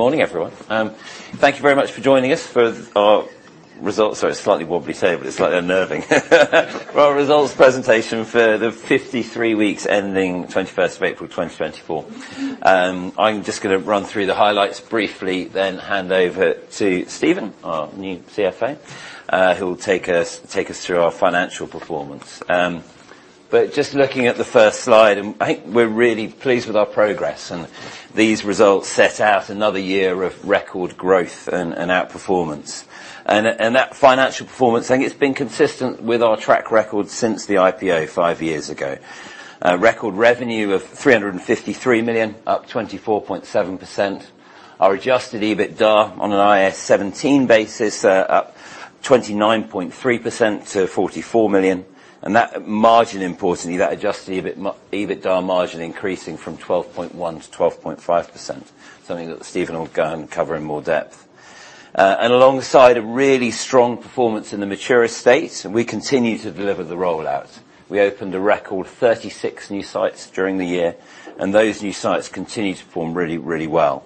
Morning, everyone. Thank you very much for joining us for our results. Sorry, it's a slightly wobbly table, but it's slightly unnerving. Our results presentation for the 53 weeks ending 21st of April 2024. I'm just gonna run through the highlights briefly, then hand over to Stephen, our new CFO, who will take us through our financial performance. But just looking at the first slide, and I think we're really pleased with our progress, and these results set out another year of record growth and outperformance. That financial performance, I think it's been consistent with our track record since the IPO five years ago. Record revenue of 353 million, up 24.7%. Our Adjusted EBITDA on an IAS 17 basis, up 29.3% to 44 million. That margin, importantly, that adjusted EBITDA margin increasing from 12.1% to 12.5%, something that Stephen will go and cover in more depth. And alongside a really strong performance in the mature estate, and we continue to deliver the rollout. We opened a record 36 new sites during the year, and those new sites continue to perform really, really well.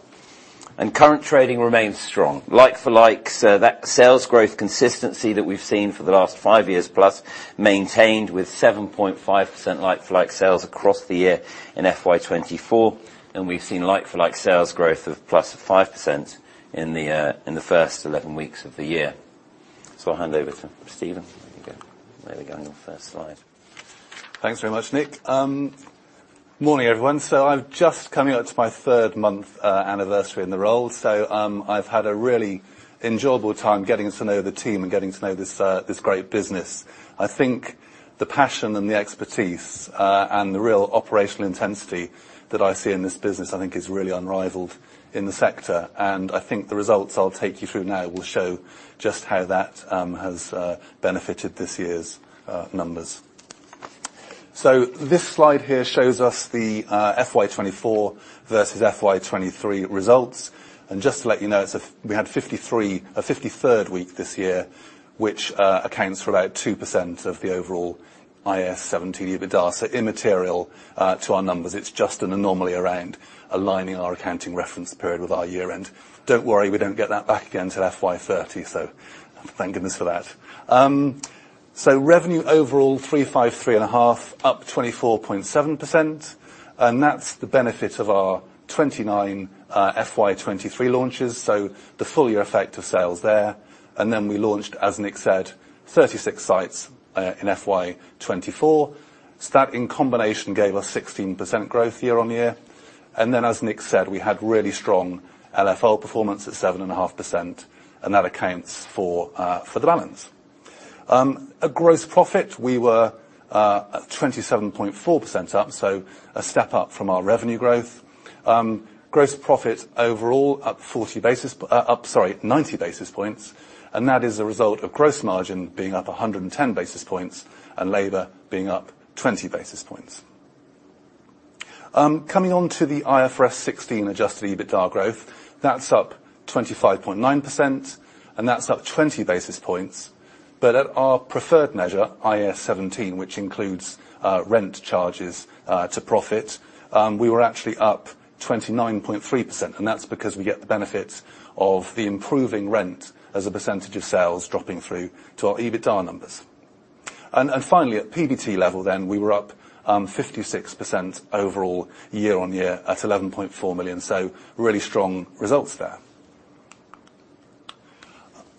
And current trading remains strong. Like-for-like, so that sales growth consistency that we've seen for the last 5 years plus, maintained with 7.5% like-for-like sales across the year in FY 2024, and we've seen like-for-like sales growth of +5% in the first 11 weeks of the year. So I'll hand over to Stephen. There you go. There we go, on your first slide. Thanks very much, Nick. Morning, everyone. So I'm just coming up to my third month anniversary in the role. So, I've had a really enjoyable time getting to know the team and getting to know this this great business. I think the passion and the expertise and the real operational intensity that I see in this business, I think is really unrivaled in the sector, and I think the results I'll take you through now will show just how that has benefited this year's numbers. So this slide here shows us the FY 2024 versus FY 2023 results. And just to let you know, we had 53, a 53rd week this year, which accounts for about 2% of the overall IAS 17 EBITDA, so immaterial to our numbers. It's just an anomaly around aligning our accounting reference period with our year-end. Don't worry, we don't get that back again till FY 2030, so thank goodness for that. So revenue overall, 353.5 million, up 24.7%, and that's the benefit of our 29 FY 2023 launches, so the full year effect of sales there. And then we launched, as Nick said, 36 sites in FY 2024. So that in combination gave us 16% growth year on year. And then, as Nick said, we had really strong LFL performance at 7.5%, and that accounts for the balance. Gross profit, we were at 27.4% up, so a step up from our revenue growth. Gross profit overall up 90 basis points, and that is a result of gross margin being up 110 basis points and labor being up 20 basis points. Coming on to the IFRS 16 adjusted EBITDA growth, that's up 25.9%, and that's up 20 basis points. But at our preferred measure, IAS 17, which includes rent charges to profit, we were actually up 29.3%, and that's because we get the benefits of the improving rent as a percentage of sales dropping through to our EBITDA numbers. Finally, at PBT level then, we were up 56% overall year over year at 11.4 million. So really strong results there.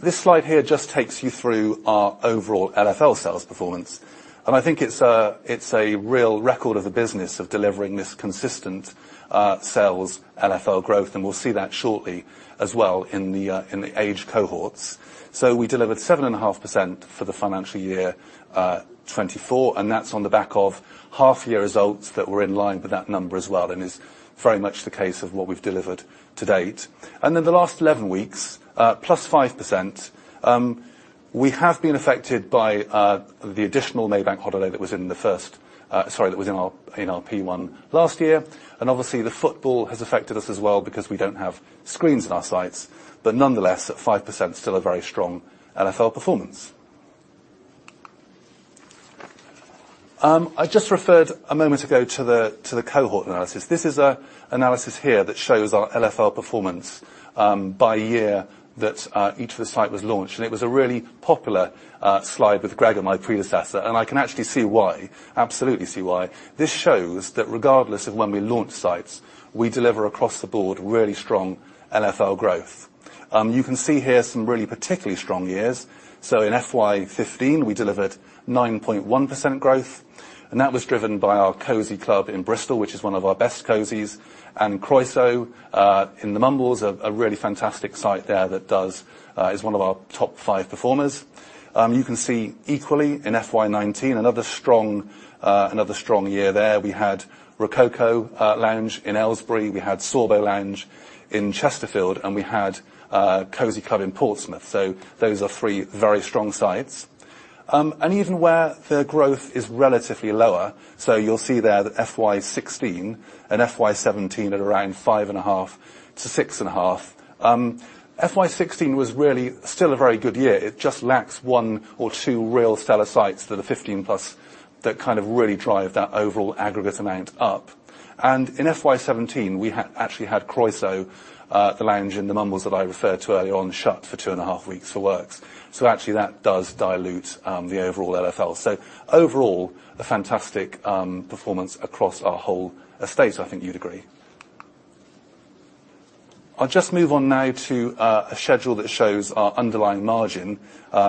This slide here just takes you through our overall LFL sales performance, and I think it's a real record of the business of delivering this consistent, sales LFL growth, and we'll see that shortly as well in the age cohorts. So we delivered 7.5% for the financial year 2024, and that's on the back of half-year results that were in line with that number as well, and is very much the case of what we've delivered to date. And then the last 11 weeks, +5%, we have been affected by the additional May Bank holiday that was in the first Sorry, that was in our, in our P1 last year. Obviously, the football has affected us as well because we don't have screens in our sites, but nonetheless, at 5%, still a very strong LFL performance. I just referred a moment ago to the cohort analysis. This is an analysis here that shows our LFL performance by year that each of the sites was launched, and it was a really popular slide with Greg and my predecessor, and I can actually see why, absolutely see why. This shows that regardless of when we launch sites, we deliver across the board really strong LFL growth. You can see here some really particularly strong years. So in FY 2015, we delivered 9.1% growth, and that was driven by our Cosy Club in Bristol, which is one of our best Cosy, and Croeso in the Mumbles, a really fantastic site there that is one of our top five performers. You can see equally in FY 2019, another strong, another strong year there. We had Rococo Lounge in Aylesbury, we had Sorbo Lounge in Chesterfield, and we had Cosy Club in Portsmouth. So those are three very strong sites. And even where the growth is relatively lower, so you'll see there that FY 2016 and FY 2017 at around 5.5%-6.5%. FY 2016 was really still a very good year. It just lacks 1 or 2 real stellar sites that are 15+, that kind of really drive that overall aggregate amount up. In FY 2017, we actually had Croeso Lounge in the Mumbles that I referred to earlier on shut for 2.5 weeks for works. So actually, that does dilute the overall LFL. So overall, a fantastic performance across our whole estate, I think you'd agree. I'll just move on now to a schedule that shows our underlying margin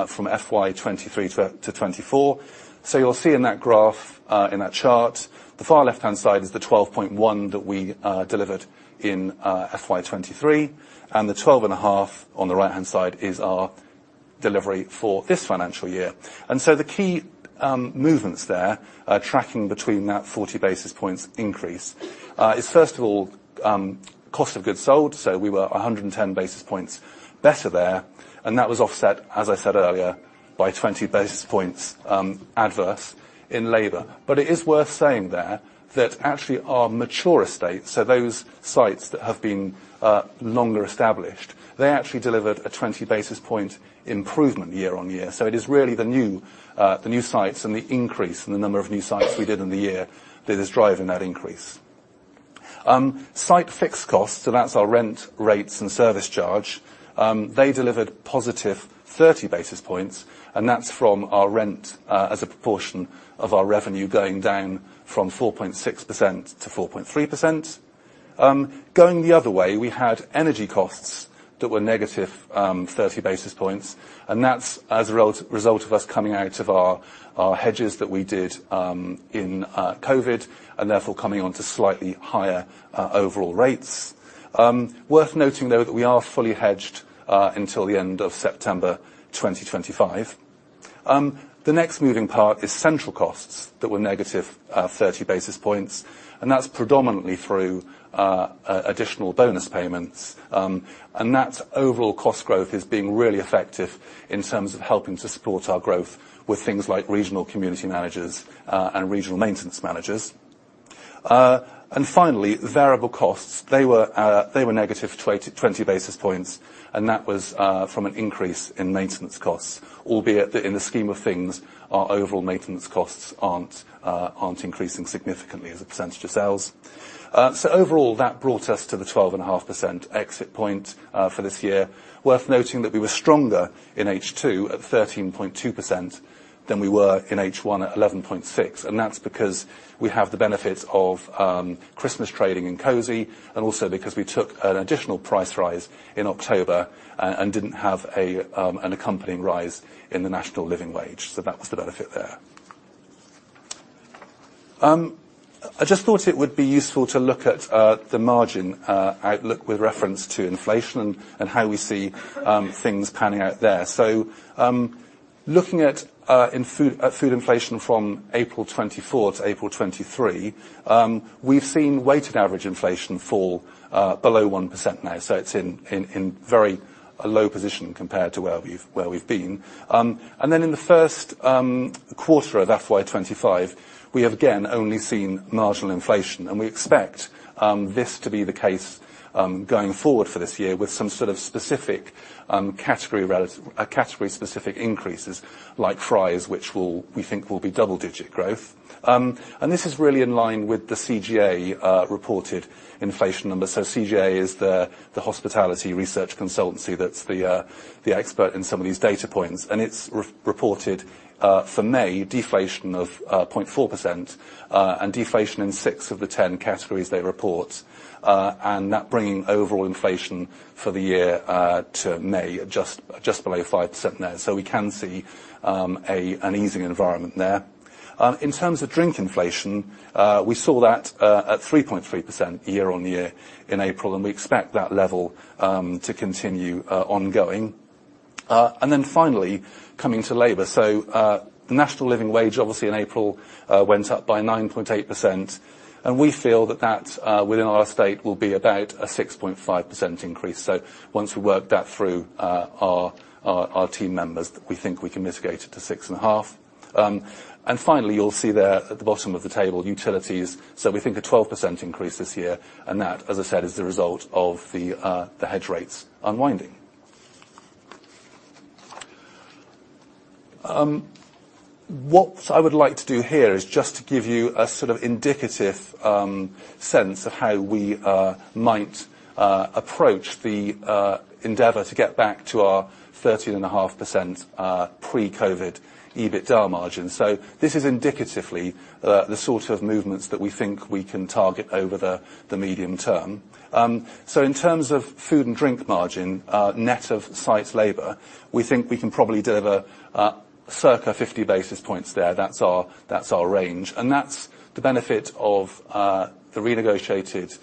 from FY 2023 to FY 2024. So you'll see in that graph, in that chart, the far left-hand side is the 12.1 that we delivered in FY 2023, and the 12.5 on the right-hand side is our delivery for this financial year. And so the key movements there are tracking between that 40 basis points increase is first of all cost of goods sold, so we were 110 basis points better there, and that was offset, as I said earlier, by 20 basis points adverse in labor. But it is worth saying there that actually our mature estate, so those sites that have been longer established, they actually delivered a 20 basis point improvement year-on-year. So it is really the new sites and the increase in the number of new sites we did in the year that is driving that increase. Site fixed costs, so that's our rent, rates, and service charge, they delivered positive 30 basis points, and that's from our rent as a proportion of our revenue going down from 4.6% to 4.3%. Going the other way, we had energy costs that were negative 30 basis points, and that's as a result of us coming out of our hedges that we did in COVID, and therefore, coming onto slightly higher overall rates. Worth noting, though, that we are fully hedged until the end of September 2025. The next moving part is central costs that were negative 30 basis points, and that's predominantly through additional bonus payments. And that overall cost growth is being really effective in terms of helping to support our growth with things like regional community managers, and regional maintenance managers. And finally, variable costs. They were negative twenty basis points, and that was from an increase in maintenance costs, albeit that in the scheme of things, our overall maintenance costs aren't increasing significantly as a percentage of sales. So overall, that brought us to the 12.5% exit point for this year. Worth noting that we were stronger in H2 at 13.2% than we were in H1 at 11.6%, and that's because we have the benefits of Christmas trading in Cosy, and also because we took an additional price rise in October and didn't have an accompanying rise in the National Living Wage, so that was the benefit there. I just thought it would be useful to look at the margin outlook with reference to inflation and how we see things panning out there. So, looking at food inflation from April 2024 to April 2023, we've seen weighted average inflation fall below 1% now. So it's in a very low position compared to where we've been. And then in the first quarter of FY 2025, we have again only seen marginal inflation, and we expect this to be the case going forward for this year, with some sort of specific category-specific increases like fries, which will, we think, will be double-digit growth. And this is really in line with the CGA reported inflation numbers. So CGA is the hospitality research consultancy that's the expert in some of these data points, and it's reported for May, deflation of 0.4%, and deflation in six of the 10 categories they report, and that bringing overall inflation for the year to May just below 5% now. So we can see an easing environment there. In terms of drink inflation, we saw that at 3.3% year-on-year in April, and we expect that level to continue ongoing. Then finally, coming to labor. So, the National Living Wage, obviously in April, went up by 9.8%, and we feel that that within our estate will be about a 6.5% increase. So once we work that through our team members, we think we can mitigate it to 6.5. And finally, you'll see there at the bottom of the table, utilities, so we think a 12% increase this year, and that, as I said, is the result of the hedge rates unwinding. What I would like to do here is just to give you a sort of indicative sense of how we might approach the endeavor to get back to our 13.5% pre-COVID EBITDA margin. So this is indicatively the sort of movements that we think we can target over the medium term. So in terms of food and drink margin net of site labor, we think we can probably deliver circa 50 basis points there. That's our range, and that's the benefit of the renegotiated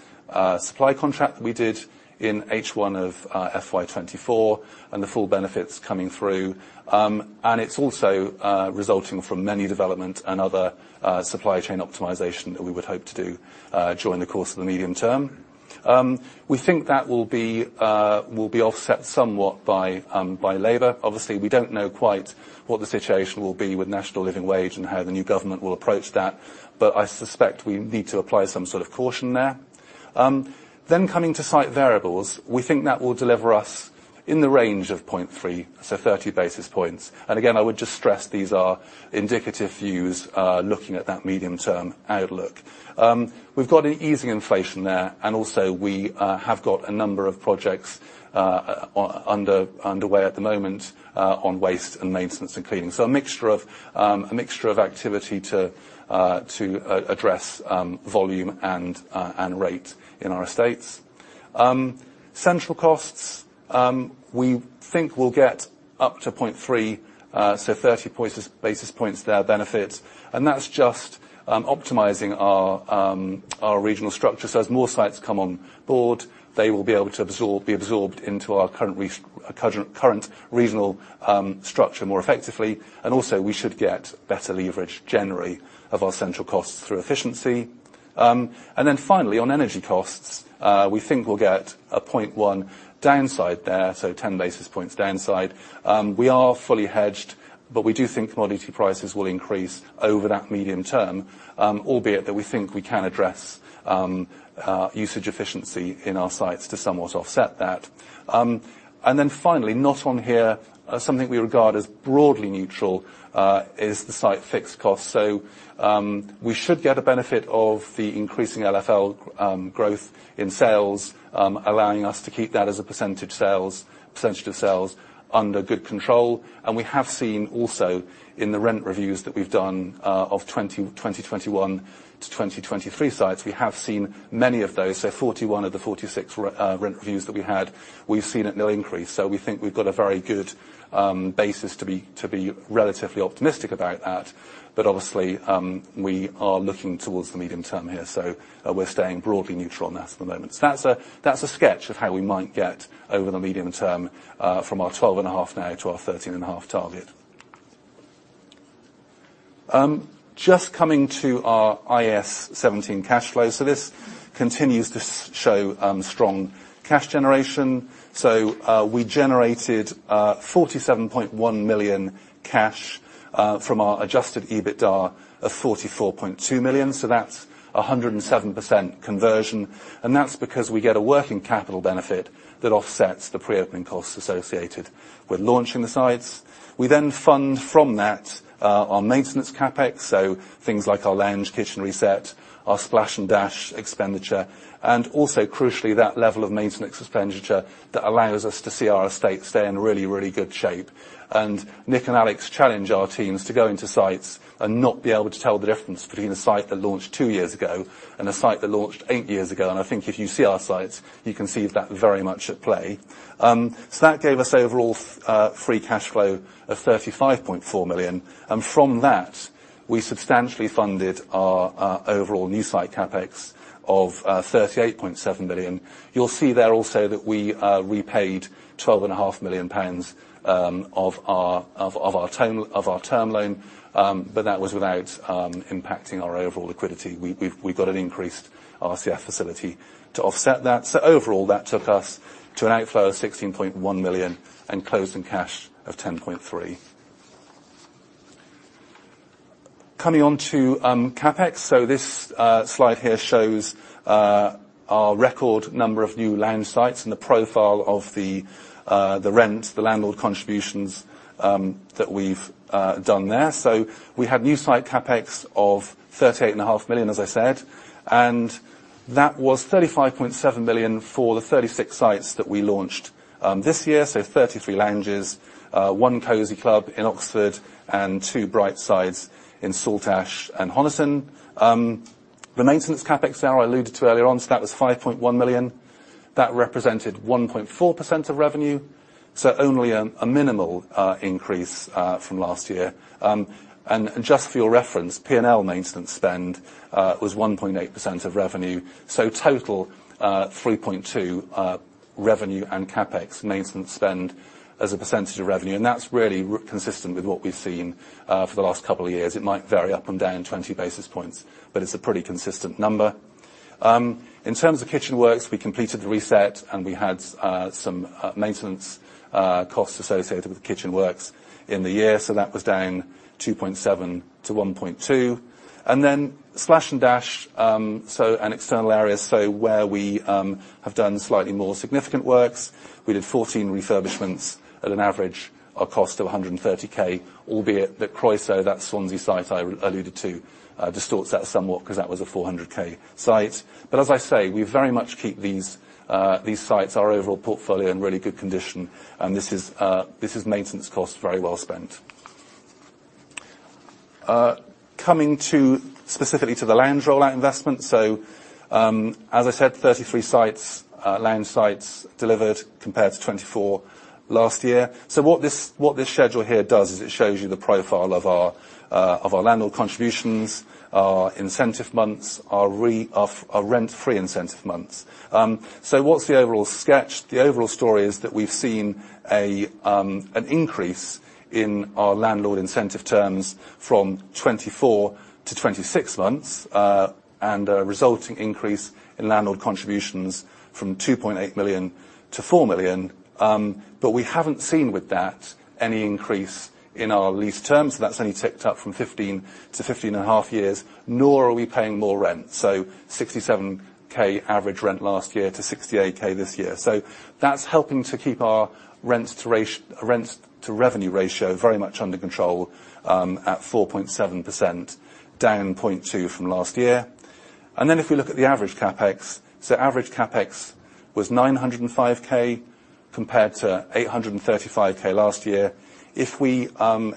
supply contract that we did in H1 of FY 2024, and the full benefits coming through. And it's also resulting from menu development and other supply chain optimization that we would hope to do during the course of the medium term. We think that will be offset somewhat by labor. Obviously, we don't know quite what the situation will be with National Living Wage and how the new government will approach that, but I suspect we need to apply some sort of caution there. Then coming to site variables, we think that will deliver us in the range of 0.3, so 30 basis points. And again, I would just stress, these are indicative views looking at that medium-term outlook. We've got an easing inflation there, and also we have got a number of projects underway at the moment on waste and maintenance and cleaning. So a mixture of activity to address volume and rate in our estates. Central costs, we think we'll get up to 0.3, so 30 basis points there, benefit. And that's just optimizing our regional structure. So as more sites come on board, they will be able to be absorbed into our current regional structure more effectively, and also, we should get better leverage generally of our central costs through efficiency. And then finally, on energy costs, we think we'll get a 0.1 downside there, so 10 basis points downside. We are fully hedged, but we do think commodity prices will increase over that medium term, albeit that we think we can address usage efficiency in our sites to somewhat offset that. And then finally, not on here, something we regard as broadly neutral, is the site fixed costs. So, we should get a benefit of the increasing LFL, growth in sales, allowing us to keep that as a percentage sales, percentage of sales under good control. And we have seen also in the rent reviews that we've done, of 2021 to 2023 sites, we have seen many of those, so 41 of the 46 rent reviews that we had, we've seen at no increase. So we think we've got a very good, basis to be relatively optimistic about that. But obviously, we are looking towards the medium term here, so we're staying broadly neutral on that for the moment. So that's a sketch of how we might get over the medium term, from our 12.5 now to our 13.5 target. Just coming to our IAS 17 cash flows. So this continues to show strong cash generation. So, we generated 47.1 million cash from our adjusted EBITDA of 44.2 million, so that's 107% conversion. And that's because we get a working capital benefit that offsets the pre-opening costs associated with launching the sites. We then fund from that our maintenance CapEx, so things like our Lounge, kitchen reset, our splash and dash expenditure, and also, crucially, that level of maintenance expenditure that allows us to see our estate stay in really, really good shape. Nick and Alex challenge our teams to go into sites and not be able to tell the difference between a site that launched two years ago and a site that launched eight years ago, and I think if you see our sites, you can see that very much at play. So that gave us overall free cash flow of 35.4 million, and from that, we substantially funded our overall new site CapEx of 38.7 billion. You'll see there also that we repaid 12.5 million pounds of our term loan, but that was without impacting our overall liquidity. We've got an increased RCF facility to offset that. So overall, that took us to an outflow of 16.1 million and closing cash of 10.3 million. Coming on to CapEx. So this slide here shows our record number of new Lounge sites and the profile of the rent, the landlord contributions that we've done there. So we had new site CapEx of 38.5 million, as I said, and that was 35.7 million for the 36 sites that we launched this year. So 33 Lounges, one Cosy Club in Oxford and two Brightside in Saltash and Honiton. The maintenance CapEx there, I alluded to earlier on, so that was 5.1 million. That represented 1.4% of revenue, so only a minimal increase from last year. And just for your reference, P&L maintenance spend was 1.8% of revenue, so total, 3.2% revenue and CapEx maintenance spend as a percentage of revenue, and that's really consistent with what we've seen for the last couple of years. It might vary up and down 20 basis points, but it's a pretty consistent number. In terms of kitchen works, we completed the reset, and we had some maintenance costs associated with the kitchen works in the year, so that was down 2.7 to 1.2. And then splash and dash, so and external areas, so where we have done slightly more significant works, we did 14 refurbishments at an average cost of 130,000, albeit that Croeso, that Swansea site I alluded to, distorts that somewhat because that was a 400,000 site. But as I say, we very much keep these, these sites, our overall portfolio, in really good condition, and this is maintenance costs very well spent. Coming to specifically to the Lounge rollout investment. So, as I said, 33 sites, Lounge sites delivered compared to 24 last year. So what this, what this schedule here does is it shows you the profile of our, of our landlord contributions, our incentive months, our rent-free incentive months. So what's the overall sketch? The overall story is that we've seen a, an increase in our landlord incentive terms from 24-26 months, and a resulting increase in landlord contributions from 2.8 million to 4 million. But we haven't seen with that any increase in our lease terms. That's only ticked up from 15 to 15.5 years, nor are we paying more rent, so 67K average rent last year to 68K this year. So that's helping to keep our rents to revenue ratio very much under control, at 4.7%, down 0.2 from last year. And then if we look at the average CapEx, so average CapEx was 905K, compared to 835K last year. If we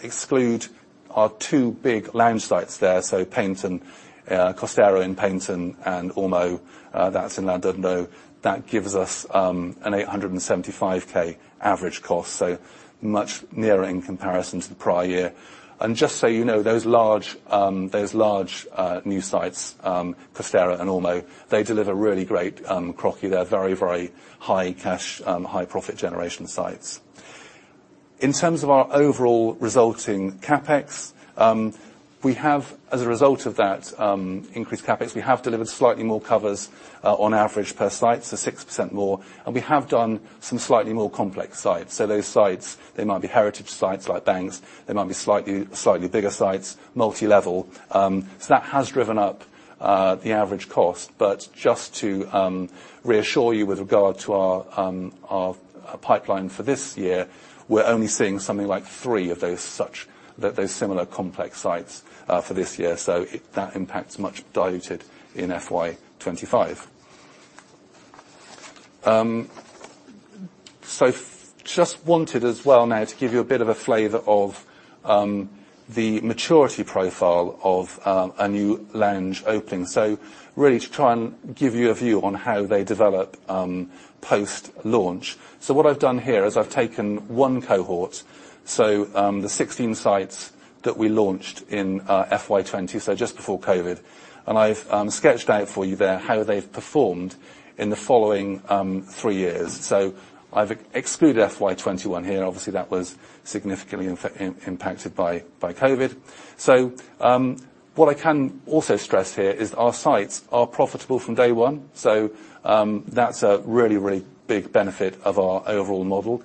exclude our two big Lounge sites there, so Paignton, Costero in Paignton and Ormo, that's in Llandudno, that gives us a 875,000 average cost, so much nearer in comparison to the prior year. And just so you know, those large, those large, new sites, Costero and Ormo, they deliver really great CROCI. They're very, very high cash, high profit generation sites. In terms of our overall resulting CapEx, we have, as a result of that, increased CapEx, we have delivered slightly more covers, on average per site, so 6% more, and we have done some slightly more complex sites. So those sites, they might be heritage sites, like banks, they might be slightly, slightly bigger sites, multi-level. So that has driven up the average cost. But just to reassure you with regard to our our pipeline for this year, we're only seeing something like 3 of those such... those similar complex sites, for this year, so that impact's much diluted in FY 25. So just wanted as well now to give you a bit of a flavor of the maturity profile of a new Lounge opening. So really, to try and give you a view on how they develop post-launch. So what I've done here is I've taken one cohort, so the 16 sites that we launched in FY 20, so just before COVID, and I've sketched out for you there how they've performed in the following three years. So I've excluded FY 21 here. Obviously, that was significantly impacted by COVID. So, what I can also stress here is our sites are profitable from day one, so, that's a really, really big benefit of our overall model.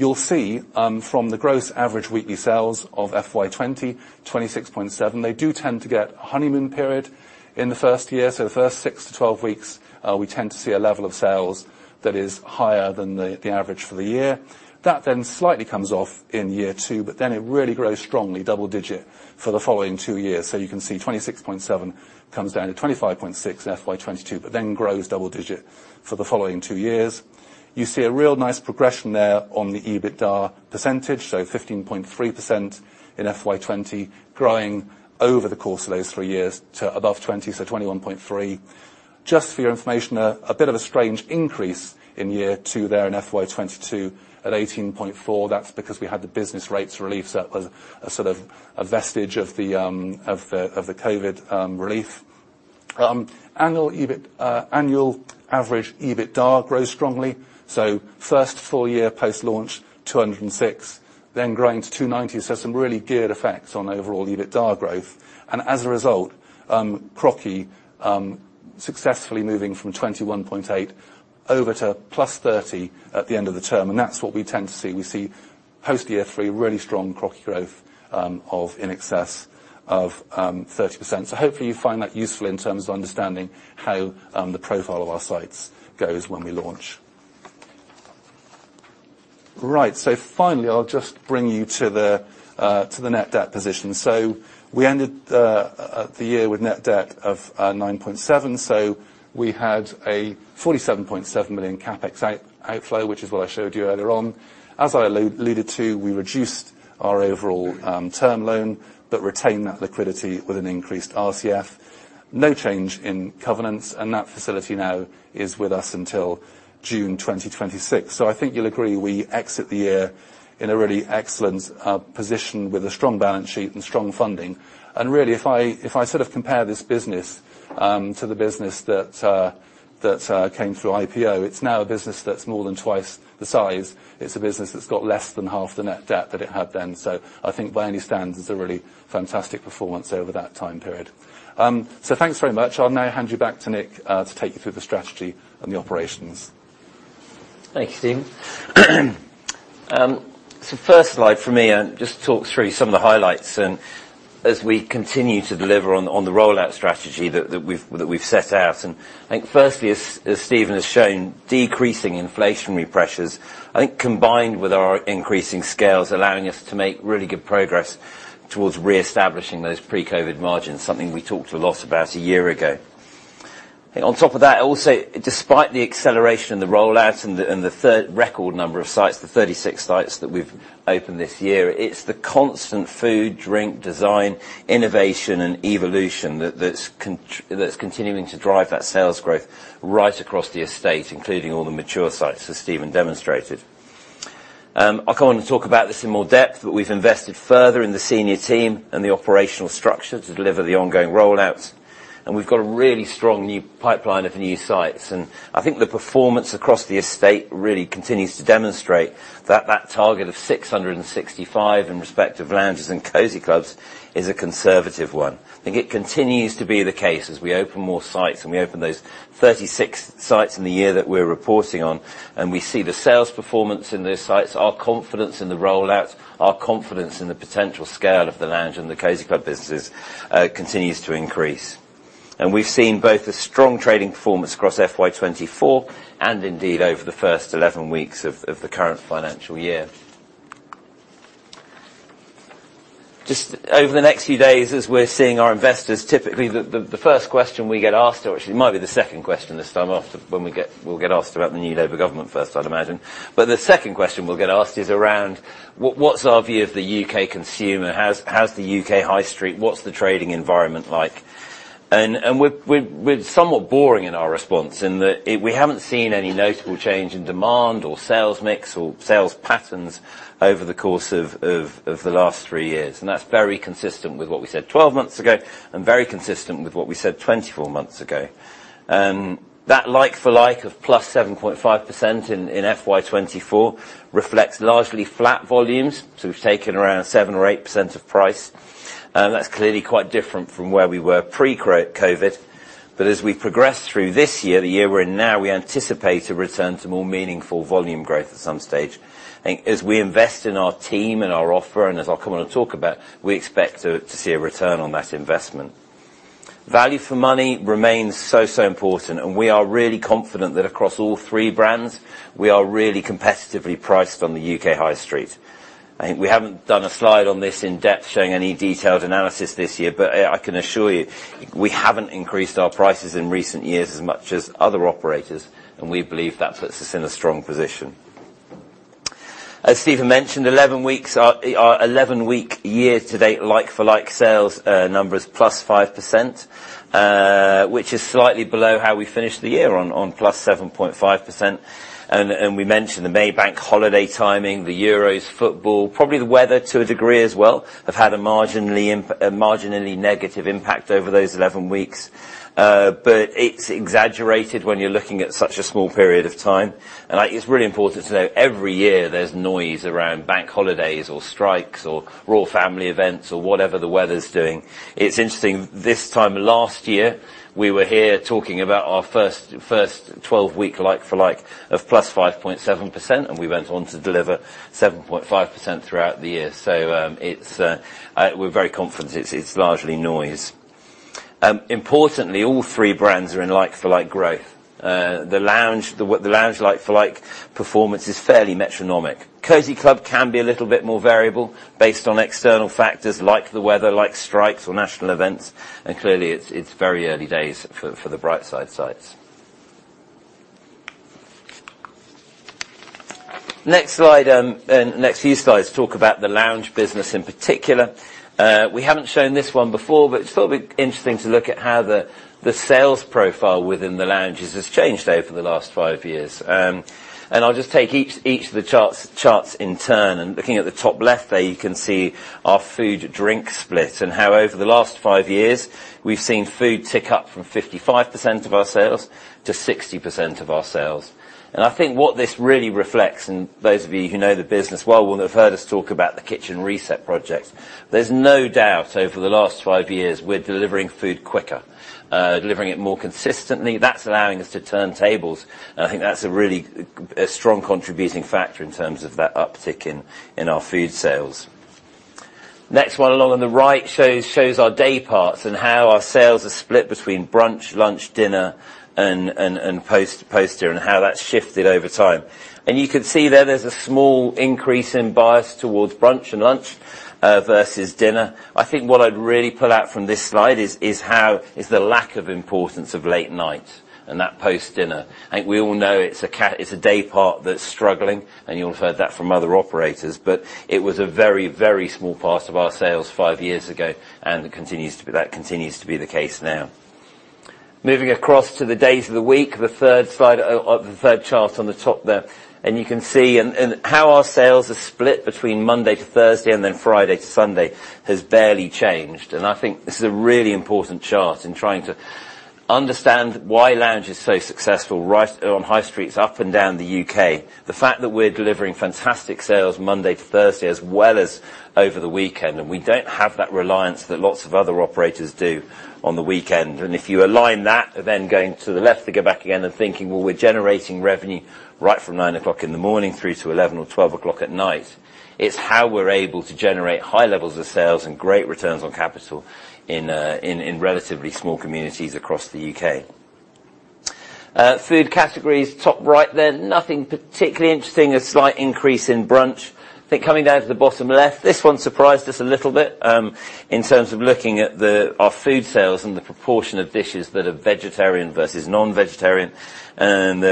You'll see, from the gross average weekly sales of FY 2020, 26.7, they do tend to get a honeymoon period in the first year. So the first six to 12 weeks, we tend to see a level of sales that is higher than the, the average for the year. That then slightly comes off in year two, but then it really grows strongly, double-digit, for the following two years. So you can see 26.7 comes down to 25.6 in FY 2022, but then grows double-digit for the following two years. You see a real nice progression there on the EBITDA percentage, so 15.3% in FY 2020, growing over the course of those three years to above 20, so 21.3%. Just for your information, a bit of a strange increase in year two there in FY 2022 at 18.4%. That's because we had the business rates relief. So that was a sort of a vestige of the COVID relief. Annual average EBITDA grew strongly, so first full year post-launch, 206, then growing to 290. So some really good effects on overall EBITDA growth, and as a result, CROCI successfully moving from 21.8 over to +30 at the end of the term, and that's what we tend to see. We see post-year 3, really strong CROCI growth of in excess of 30%. So hopefully, you find that useful in terms of understanding how the profile of our sites goes when we launch. Right, so finally, I'll just bring you to the net debt position. So we ended the year with net debt of 9.7 million, so we had a 47.7 million CapEx outflow, which is what I showed you earlier on. As I alluded to, we reduced our overall term loan, but retained that liquidity with an increased RCF. No change in covenants, and that facility now is with us until June 2026. So I think you'll agree, we exit the year in a really excellent position with a strong balance sheet and strong funding. Really, if I sort of compare this business to the business that came through IPO, it's now a business that's more than twice the size. It's a business that's got less than half the net debt that it had then. So I think by any standards, it's a really fantastic performance over that time period. So thanks very much. I'll now hand you back to Nick to take you through the strategy and the operations. Thank you, Stephen. So first slide for me, just to talk through some of the highlights and as we continue to deliver on the rollout strategy that we've set out. And I think firstly, as Stephen has shown, decreasing inflationary pressures, I think, combined with our increasing scales, allowing us to make really good progress towards reestablishing those pre-COVID margins, something we talked a lot about a year ago. I think on top of that, also, despite the acceleration in the rollout and the third record number of sites, the 36 sites that we've opened this year, it's the constant food, drink, design, innovation, and evolution that's continuing to drive that sales growth right across the estate, including all the mature sites, as Stephen demonstrated. I'll go on and talk about this in more depth, but we've invested further in the senior team and the operational structure to deliver the ongoing rollouts, and we've got a really strong new pipeline of new sites. I think the performance across the estate really continues to demonstrate that that target of 665, in respect of Lounges and Cosy Clubs, is a conservative one. I think it continues to be the case as we open more sites, and we opened those 36 sites in the year that we're reporting on, and we see the sales performance in those sites, our confidence in the rollout, our confidence in the potential scale of the Lounge and the Cosy Club businesses, continues to increase. We've seen both a strong trading performance across FY 2024 and indeed over the first 11 weeks of the current financial year. Just over the next few days, as we're seeing our investors, typically, the first question we get asked, or actually it might be the second question this time after we'll get asked about the new Labour government first, I'd imagine. But the second question we'll get asked is around what, what's our view of the U.K. consumer? How's the U.K. high street? What's the trading environment like? We're somewhat boring in our response, in that it- we haven't seen any notable change in demand or sales mix or sales patterns over the course of the last three years, and that's very consistent with what we said 12 months ago, and very consistent with what we said 24 months ago. That like-for-like of +7.5% in FY 2024 reflects largely flat volumes, so we've taken around 7 or 8% of price. That's clearly quite different from where we were pre-COVID. But as we progress through this year, the year we're in now, we anticipate a return to more meaningful volume growth at some stage. And as we invest in our team and our offer, and as I'll come on to talk about, we expect to see a return on that investment. Value for money remains so, so important, and we are really confident that across all three brands, we are really competitively priced on the U.K. High Street. I think we haven't done a slide on this in-depth, showing any detailed analysis this year, but I can assure you, we haven't increased our prices in recent years as much as other operators, and we believe that puts us in a strong position. As Stephen mentioned, 11 weeks, our 11-week year-to-date, like-for-like sales number is +5%, which is slightly below how we finished the year on +7.5%. And we mentioned the May Bank holiday timing, the Euros football, probably the weather to a degree as well, have had a marginally negative impact over those 11 weeks. But it's exaggerated when you're looking at such a small period of time. And, like, it's really important to know every year there's noise around bank holidays or strikes or royal family events or whatever the weather's doing. It's interesting, this time last year, we were here talking about our first 12-week like-for-like of +5.7%, and we went on to deliver 7.5% throughout the year. So, we're very confident it's largely noise. Importantly, all three brands are in like-for-like growth. The Lounge like-for-like performance is fairly metronomic. Cosy Club can be a little bit more variable based on external factors like the weather, like strikes or national events, and clearly, it's very early days for brightside. Next slide, and next few slides talk about the Lounge business in particular. We haven't shown this one before, but it's thought it'd be interesting to look at how the sales profile within the Lounges has changed over the last five years. And I'll just take each of the charts in turn, and looking at the top left there, you can see our food to drink split and how over the last five years, we've seen food tick up from 55% of our sales to 60% of our sales. And I think what this really reflects, and those of you who know the business well, will have heard us talk about the kitchen reset project. There's no doubt over the last five years, we're delivering food quicker, delivering it more consistently. That's allowing us to turn tables, and I think that's a really strong contributing factor in terms of that uptick in our food sales. Next one along on the right shows our day parts and how our sales are split between brunch, lunch, dinner, and post-dinner, and how that's shifted over time. And you can see there, there's a small increase in bias towards brunch and lunch versus dinner. I think what I'd really pull out from this slide is how is the lack of importance of late night and that post-dinner. I think we all know it's a day part that's struggling, and you'll have heard that from other operators, but it was a very, very small part of our sales five years ago, and it continues to be, that continues to be the case now. Moving across to the days of the week, the third slide, or the third chart on the top there, and you can see and, and how our sales are split between Monday to Thursday, and then Friday to Sunday, has barely changed. I think this is a really important chart in trying to understand why Lounge is so successful, right on high streets up and down the U.K. The fact that we're delivering fantastic sales Monday to Thursday as well as over the weekend, and we don't have that reliance that lots of other operators do on the weekend. If you align that, then going to the left to go back again and thinking, well, we're generating revenue right from 9:00 A.M. through to 11:00 P.M. or 12:00 midnight, it's how we're able to generate high levels of sales and great returns on capital in relatively small communities across the UK. Food categories, top right there, nothing particularly interesting, a slight increase in brunch. I think coming down to the bottom left, this one surprised us a little bit, in terms of looking at our food sales and the proportion of dishes that are vegetarian versus non-vegetarian, and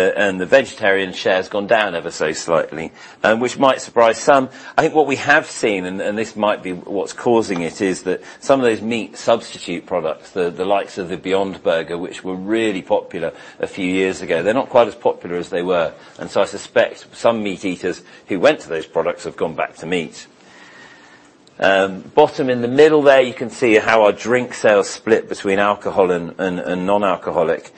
the vegetarian share has gone down ever so slightly, which might surprise some. I think what we have seen, and this might be what's causing it, is that some of those meat substitute products, the likes of the Beyond Burger, which were really popular a few years ago, they're not quite as popular as they were. And so I suspect some meat eaters who went to those products have gone back to meat. Bottom in the middle there, you can see how our drink sales split between alcohol and non-alcoholic,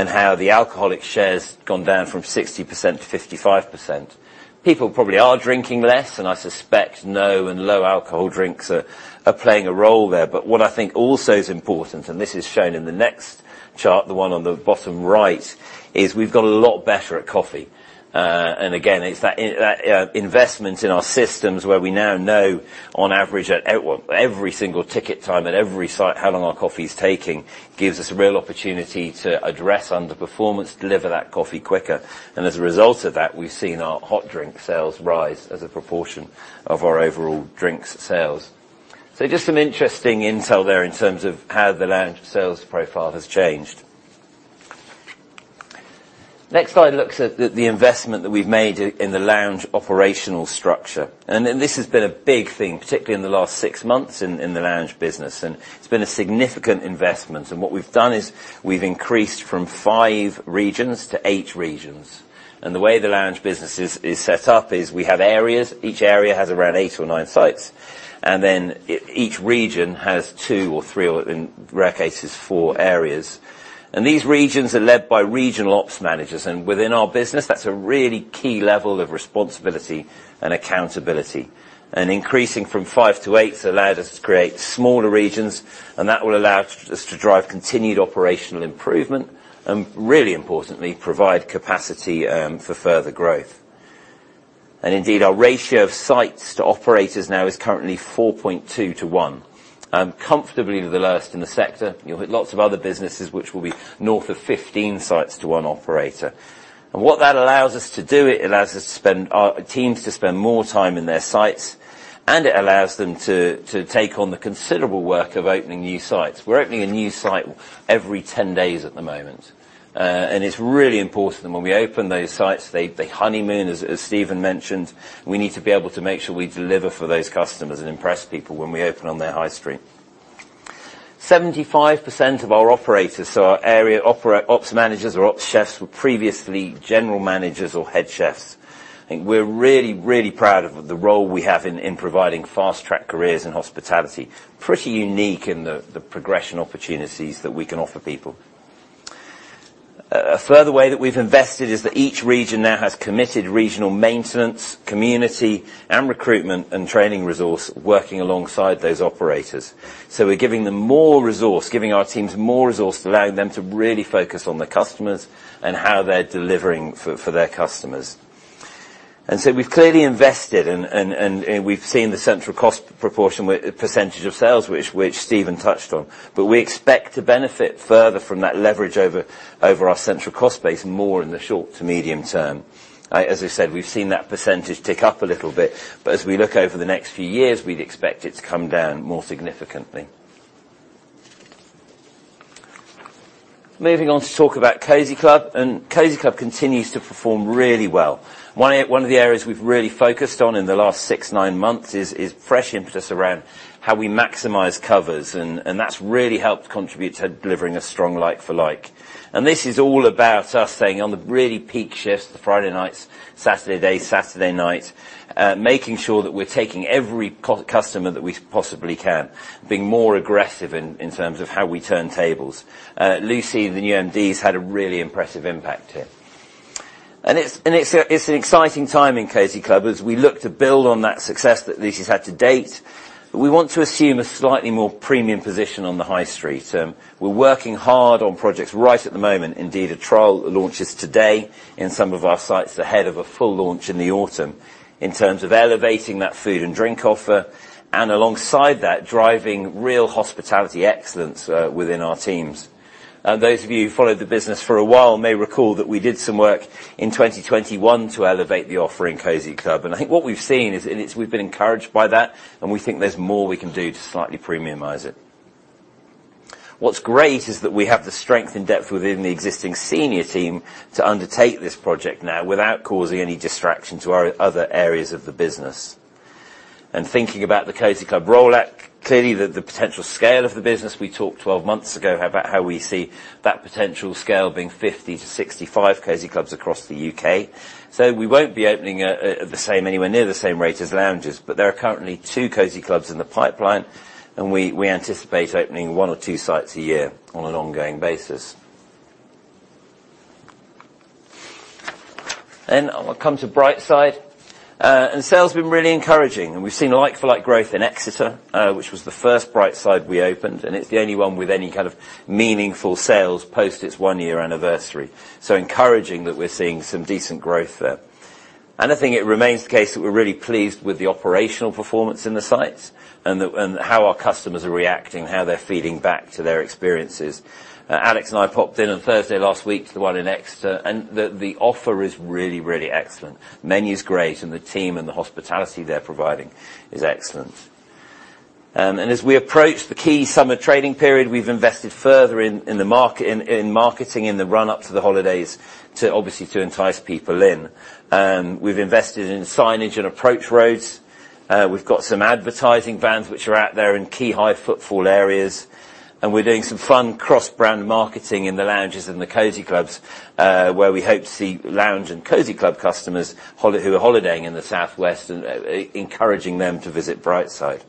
and how the alcoholic share has gone down from 60% to 55%. People probably are drinking less, and I suspect no and low alcohol drinks are playing a role there. But what I think also is important, and this is shown in the next chart, the one on the bottom right, is we've got a lot better at coffee. And again, it's that investment in our systems where we now know on average, at every single ticket time at every site, how long our coffee is taking, gives us a real opportunity to address underperformance, deliver that coffee quicker. And as a result of that, we've seen our hot drink sales rise as a proportion of our overall drinks sales. So just some interesting intel there in terms of how the Lounge sales profile has changed. Next slide looks at the investment that we've made in the Lounge operational structure, and then this has been a big thing, particularly in the last six months in the Lounge business, and it's been a significant investment. And what we've done is we've increased from five regions to eight regions. And the way the Lounge business is set up is we have areas. Each area has around eight or nine sites, and then each region has two or three, or in rare cases, four areas. These regions are led by regional ops managers, and within our business, that's a really key level of responsibility and accountability. Increasing from five to eight allowed us to create smaller regions, and that will allow us to drive continued operational improvement and, really importantly, provide capacity for further growth. Indeed, our ratio of sites to operators now is currently 4.2 to 1, comfortably the lowest in the sector. You'll get lots of other businesses which will be north of 15 sites to one operator. What that allows us to do, it allows us to spend our teams to spend more time in their sites, and it allows them to take on the considerable work of opening new sites. We're opening a new site every 10 days at the moment, and it's really important that when we open those sites, they honeymoon, as Stephen mentioned, we need to be able to make sure we deliver for those customers and impress people when we open on their high street. 75% of our operators, so our area ops managers or ops chefs, were previously general managers or head chefs. I think we're really proud of the role we have in providing fast-track careers in hospitality. Pretty unique in the progression opportunities that we can offer people. A further way that we've invested is that each region now has committed regional maintenance, community, and recruitment and training resource working alongside those operators. So we're giving them more resource, giving our teams more resource to allow them to really focus on the customers and how they're delivering for their customers. And so we've clearly invested, and we've seen the central cost proportion percentage of sales, which Stephen touched on, but we expect to benefit further from that leverage over our central cost base more in the short to medium term. As I said, we've seen that percentage tick up a little bit, but as we look over the next few years, we'd expect it to come down more significantly. Moving on to talk about Cosy Club, and Cosy Club continues to perform really well. One of the areas we've really focused on in the last 6to9 months is fresh impetus around how we maximize covers, and that's really helped contribute to delivering a strong like-for-like. This is all about us staying on the really peak shifts, the Friday nights, Saturday day, Saturday night, making sure that we're taking every customer that we possibly can, being more aggressive in terms of how we turn tables. Lucy and the new MDs had a really impressive impact here. It's an exciting time in Cosy Club as we look to build on that success that Lucy's had to date. But we want to assume a slightly more premium position on the high street. We're working hard on projects right at the moment. Indeed, a trial launches today in some of our sites ahead of a full launch in the autumn in terms of elevating that food and drink offer, and alongside that, driving real hospitality excellence within our teams. Those of you who followed the business for a while may recall that we did some work in 2021 to elevate the offer in Cosy Club. I think what we've seen is, and it's- we've been encouraged by that, and we think there's more we can do to slightly premiumize it. What's great is that we have the strength and depth within the existing senior team to undertake this project now without causing any distraction to our other areas of the business. And thinking about the Cosy Club rollout, clearly, the potential scale of the business, we talked 12 months ago about how we see that potential scale being 50-65 Cosy Clubs across the UK. So we won't be opening at, anywhere near the same rate as Lounges, but there are currently 2 Cosy Clubs in the pipeline, and we anticipate opening one or two sites a year on an ongoing basis. Then I'll come to Brightside. And sales have been really encouraging, and we've seen a like-for-like growth in Exeter, which was the brightside we opened, and it's the only one with any kind of meaningful sales post its 1-year anniversary. So encouraging that we're seeing some decent growth there. I think it remains the case that we're really pleased with the operational performance in the sites and how our customers are reacting, how they're feeding back to their experiences. Alex and I popped in on Thursday last week to the one in Exeter, and the offer is really, really excellent. Menu's great, and the team and the hospitality they're providing is excellent. And as we approach the key summer trading period, we've invested further in marketing in the run-up to the holidays to obviously entice people in. We've invested in signage and approach roads. We've got some advertising vans, which are out there in key high footfall areas, and we're doing some fun cross-brand marketing in the Lounges and the Cosy Clubs, where we hope to see Lounge and Cosy Club customers who are holidaying in the Southwest and encouraging them to brightside.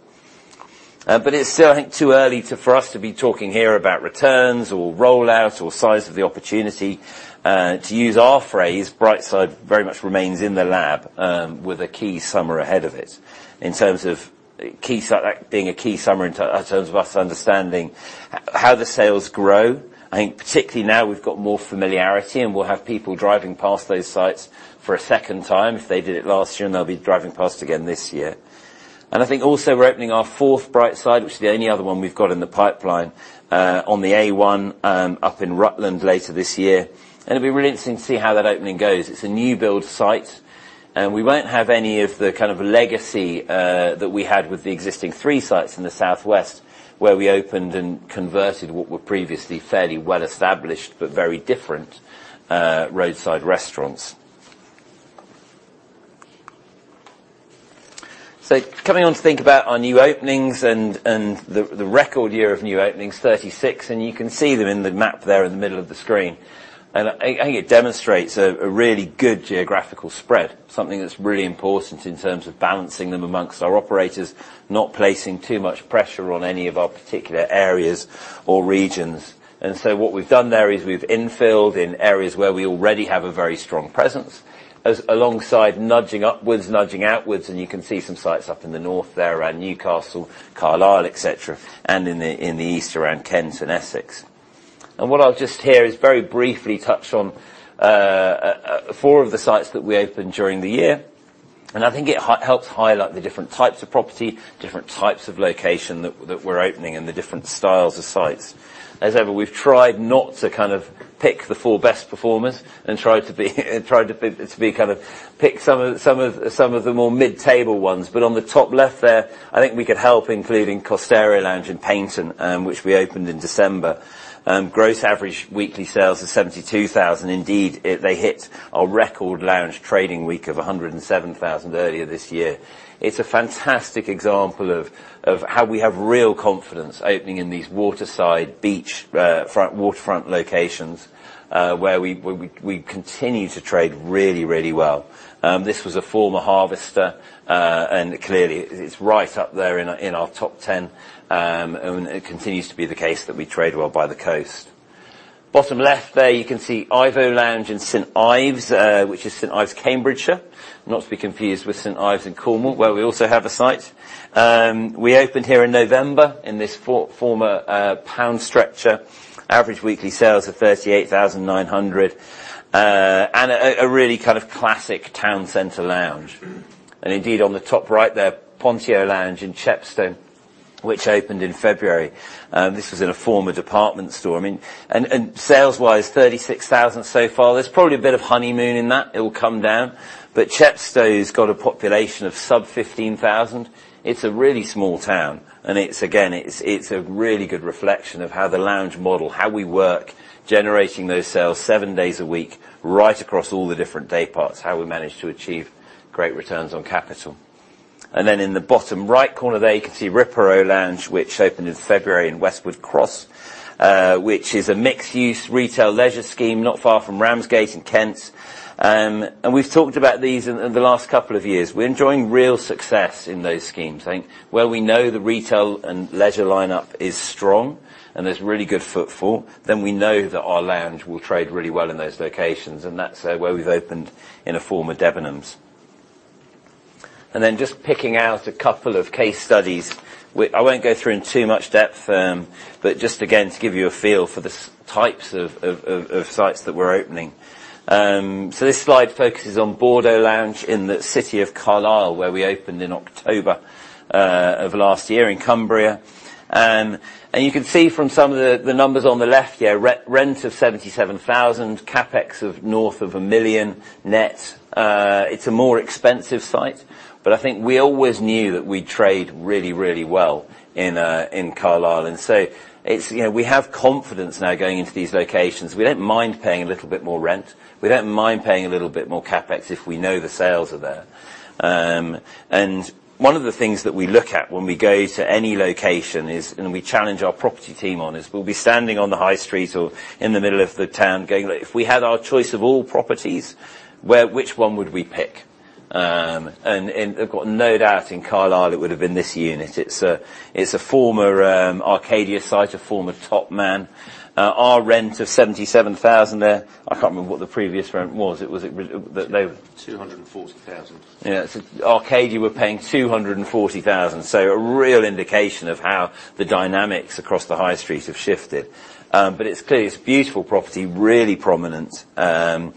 but it's still, I think, too early to, for us to be talking here about returns or rollout or size of the opportunity. To use our brightside very much remains in the lab, with a key summer ahead of it in terms of that being a key summer in terms of us understanding how the sales grow. I think particularly now, we've got more familiarity, and we'll have people driving past those sites for a second time. If they did it last year, and they'll be driving past again this year. I think also we're opening our brightside, which is the only other one we've got in the pipeline, on the A1 up in Rutland later this year. It'll be really interesting to see how that opening goes. It's a new build site, and we won't have any of the kind of legacy that we had with the existing three sites in the Southwest, where we opened and converted what were previously fairly well-established but very different roadside restaurants. Coming on to think about our new openings and the record year of new openings, 36, and you can see them in the map there in the middle of the screen. And I, I think it demonstrates a, a really good geographical spread, something that's really important in terms of balancing them amongst our operators, not placing too much pressure on any of our particular areas or regions. So what we've done there is we've infilled in areas where we already have a very strong presence, as alongside nudging upwards, nudging outwards, and you can see some sites up in the north there, around Newcastle, Carlisle, et cetera, and in the east, around Kent and Essex. And what I'll just here is very briefly touch on four of the sites that we opened during the year. And I think it helps highlight the different types of property, different types of location that we're opening, and the different styles of sites. As ever, we've tried not to kind of pick the four best performers and tried to be kind of pick some of the more mid-table ones. But on the top left there, I think we could help including Costero Lounge in Paignton, which we opened in December. Gross average weekly sales is 72,000. Indeed, they hit a record Lounge trading week of 107,000 earlier this year. It's a fantastic example of how we have real confidence opening in these waterside beachfront waterfront locations, where we continue to trade really, really well. This was a former Harvester, and clearly, it's right up there in our top ten, and it continues to be the case that we trade well by the coast. Bottom left there, you can see Ivo Lounge in St. Ives, which is St. Ives, Cambridgeshire, not to be confused with St. Ives in Cornwall, where we also have a site. We opened here in November, in this former Poundstretcher. Average weekly sales of 38,900 and a really kind of classic town center Lounge. And indeed, on the top right there, Pontio Lounge in Chepstow, which opened in February. This was in a former department store. I mean. And sales-wise, 36,000 so far. There's probably a bit of honeymoon in that. It will come down, but Chepstow has got a population of sub 15,000. It's a really small town, and it's again a really good reflection of how the Lounge model, how we work, generating those sales seven days a week, right across all the different day parts, how we manage to achieve great returns on capital. Then in the bottom right corner there, you can see Riparo Lounge, which opened in February in Westwood Cross, which is a mixed-use retail leisure scheme not far from Ramsgate in Kent. And we've talked about these in the last couple of years. We're enjoying real success in those schemes. I think where we know the retail and leisure lineup is strong and there's really good footfall, then we know that our Lounge will trade really well in those locations, and that's where we've opened in a former Debenhams. And then just picking out a couple of case studies, which I won't go through in too much depth, but just again, to give you a feel for the types of sites that we're opening. So this slide focuses on Bardo Lounge in the city of Carlisle, where we opened in October of last year in Cumbria. And you can see from some of the numbers on the left here, rent of 77,000, CapEx of north of 1 million, net. It's a more expensive site, but I think we always knew that we'd trade really, really well in Carlisle. And so it's, you know, we have confidence now going into these locations. We don't mind paying a little bit more rent. We don't mind paying a little bit more CapEx if we know the sales are there. And one of the things that we look at when we go to any location is, and we challenge our property team on, is we'll be standing on the high street or in the middle of the town, going, "If we had our choice of all properties, where- which one would we pick?" And I've got no doubt in Carlisle, it would have been this unit. It's a former Arcadia site, a former Topman. Our rent of 77,000 there, I can't remember what the previous rent was. It was, no-GBP 240,000. Yeah, so Arcadia were paying 240,000. So a real indication of how the dynamics across the high street have shifted. But it's clear, it's a beautiful property, really prominent. And